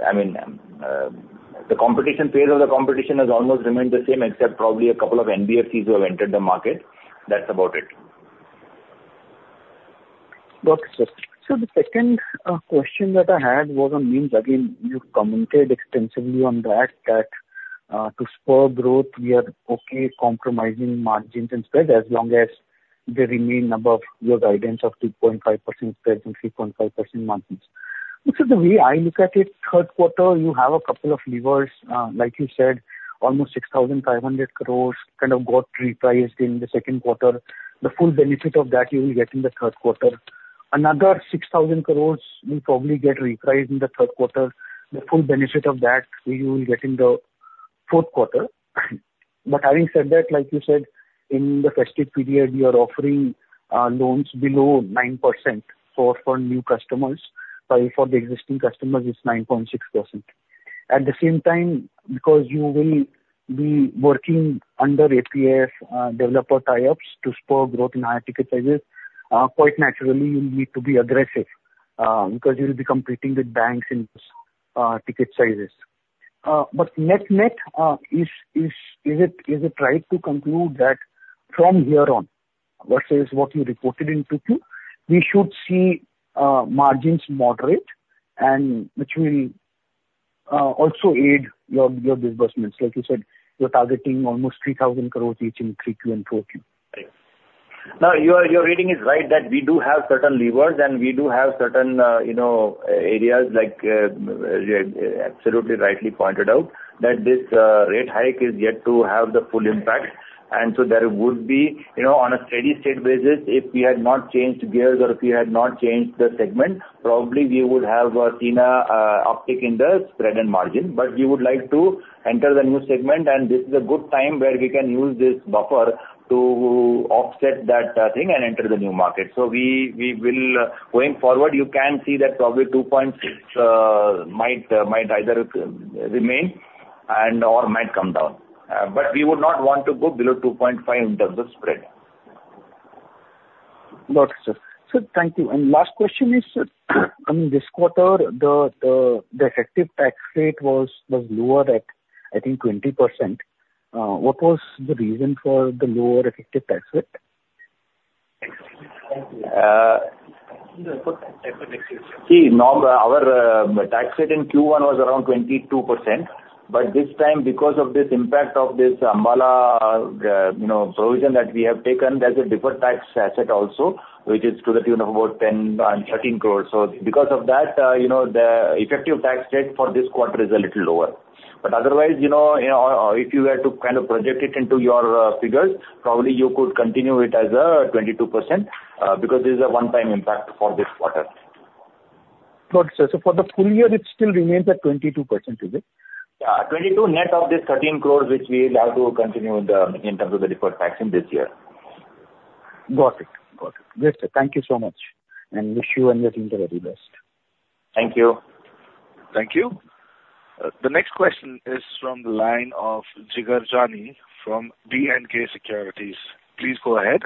I mean, the competition phase of the competition has almost remained the same, except probably a couple of NBFCs who have entered the market. That's about it. Got it, sir. So the second question that I had was on margins again, you've commented extensively on that, that, to spur growth, we are okay compromising margins and spread, as long as they remain above your guidance of 2.5% spread and 3.5% margins. Which is the way I look at it, third quarter, you have a couple of levers, like you said, almost 6,500 crore kind of got repriced in the second quarter. The full benefit of that you will get in the third quarter. Another 6,000 crore will probably get repriced in the third quarter. The full benefit of that, you will get in the fourth quarter. But having said that, like you said, in the festive period, you are offering loans below 9% for new customers, while for the existing customers, it's 9.6%. At the same time, because you will be working under APF developer tie-ups to spur growth in higher ticket sizes, quite naturally, you'll need to be aggressive, because you'll be competing with banks in ticket sizes. But net, is it right to conclude that from here on, versus what you reported in Q2, we should see margins moderate and which will also aid your disbursements? Like you said, you're targeting almost 3,000 crore each in Q3 and Q4. No, your reading is right, that we do have certain levers, and we do have certain, you know, areas like, absolutely rightly pointed out, that this rate hike is yet to have the full impact. And so there would be... You know, on a steady state basis, if we had not changed gears or if we had not changed the segment, probably we would have seen a uptick in the spread and margin. But we would like to enter the new segment, and this is a good time where we can use this buffer to offset that thing and enter the new market. So we will... Going forward, you can see that probably 2 point might either remain and/or might come down. But we would not want to go below 2.5 in terms of spread. Got it, sir. Sir, thank you. Last question is, I mean, this quarter, the effective tax rate was lower at, I think, 20%. What was the reason for the lower effective tax rate? See, our tax rate in Q1 was around 22%, but this time, because of this impact of this Ambala, you know, provision that we have taken, there's a deferred tax asset also, which is to the tune of about 10.13 crore. So because of that, you know, the effective tax rate for this quarter is a little lower. But otherwise, you know, if you were to kind of project it into your figures, probably you could continue it as 22%, because this is a one-time impact for this quarter. Got it, sir. So for the full year, it still remains at 22%, is it? 22 net of this 13 crore, which we will have to continue in terms of the deferred tax in this year.... Got it. Got it. Great, sir. Thank you so much, and wish you and your team the very best. Thank you. Thank you. The next question is from the line of Jigar Jani from BNK Securities. Please go ahead.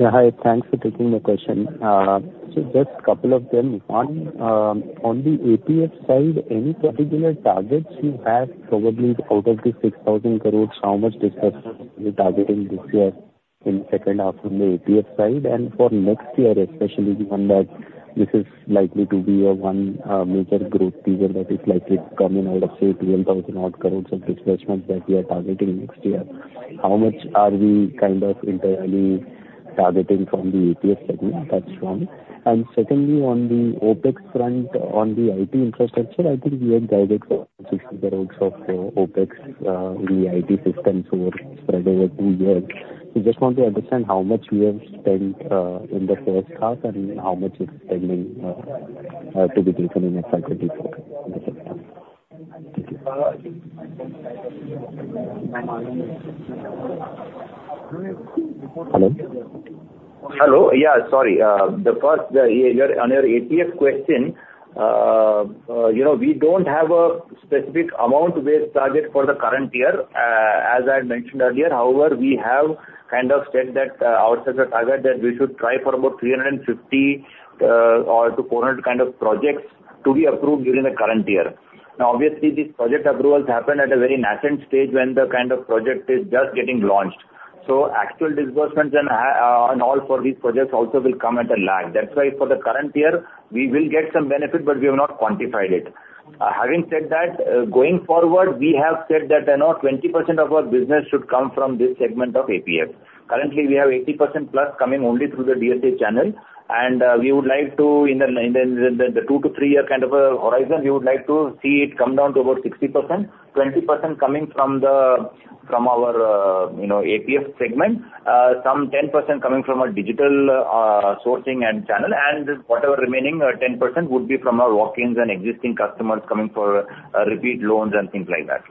Yeah, hi. Thanks for taking my question. So just a couple of them. One, on the APF side, any particular targets you have probably out of the 6,000 crore, how much disbursal you're targeting this year in second half on the APF side? And for next year, especially given that this is likely to be a one, major growth driver that is likely to come in out of, say, twelve thousand odd crores of disbursements that we are targeting next year. How much are we kind of internally targeting from the APF segment? That's one. And secondly, on the OpEx front, on the IT infrastructure, I think we have guided for INR 60 crore of OpEx, the IT systems spread over two years. We just want to understand how much we have spent, in the first half and how much is pending, to be taken in the second half? Hello? Hello. Yeah, sorry. The first, your, on your APF question, you know, we don't have a specific amount-based target for the current year. As I had mentioned earlier, however, we have kind of said that, our target, that we should try for about 350 or to 400 kind of projects to be approved during the current year. Now, obviously, these project approvals happen at a very nascent stage when the kind of project is just getting launched. So actual disbursements and, and all for these projects also will come at a lag. That's why for the current year, we will get some benefit, but we have not quantified it. Having said that, going forward, we have said that, you know, 20% of our business should come from this segment of APF. Currently, we have 80% plus coming only through the DSA channel, and we would like to in the two to three kind of a horizon, we would like to see it come down to about 60%. 20% coming from our you know APF segment, some 10% coming from a digital sourcing and channel, and whatever remaining 10% would be from our walk-ins and existing customers coming for repeat loans and things like that.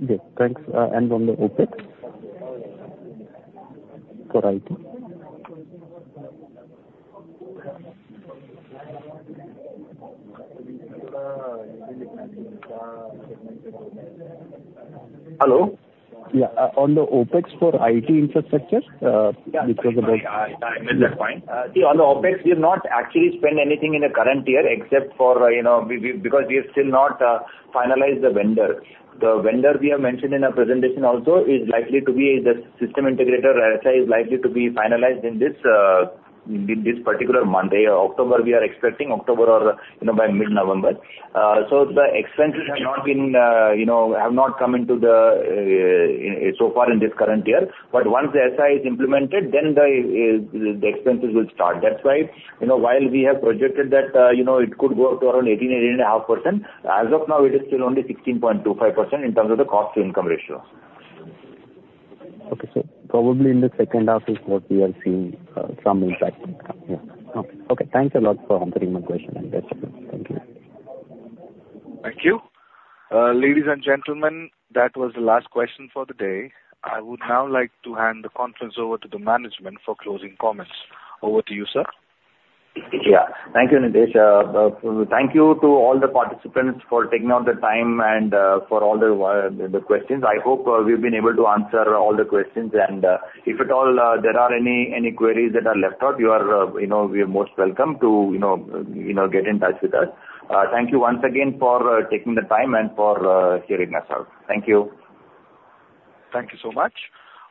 Yes. Thanks. And on the OpEx for IT. Hello? Yeah. On the OpEx for IT infrastructure, which was about- Yeah. I missed that point. See, on the OpEx, we have not actually spent anything in the current year except for, you know, because we have still not finalized the vendor. The vendor we have mentioned in our presentation also is likely to be the system integrator. SI is likely to be finalized in this particular month, October. We are expecting October or, you know, by mid-November. So the expenses have not been, you know, have not come into the so far in this current year. But once the SI is implemented, then the expenses will start. That's why, you know, while we have projected that, you know, it could go up to around 18-18.5%, as of now it is still only 16.25% in terms of the cost-to-income ratio. Okay. So probably in the second half is what we are seeing, some impact come. Yeah. Okay. Thanks a lot for answering my question and yes. Thank you. Thank you. Ladies and gentlemen, that was the last question for the day. I would now like to hand the conference over to the management for closing comments. Over to you, sir. Yeah. Thank you, Nidhesh. Thank you to all the participants for taking out the time and for all the questions. I hope we've been able to answer all the questions. And if at all there are any queries that are left out, you know, we are most welcome to you know get in touch with us. Thank you once again for taking the time and for hearing us out. Thank you. Thank you so much.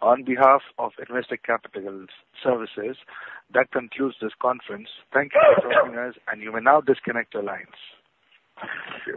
On behalf of Investec Capital Services, that concludes this conference. Thank you for joining us, and you may now disconnect your lines.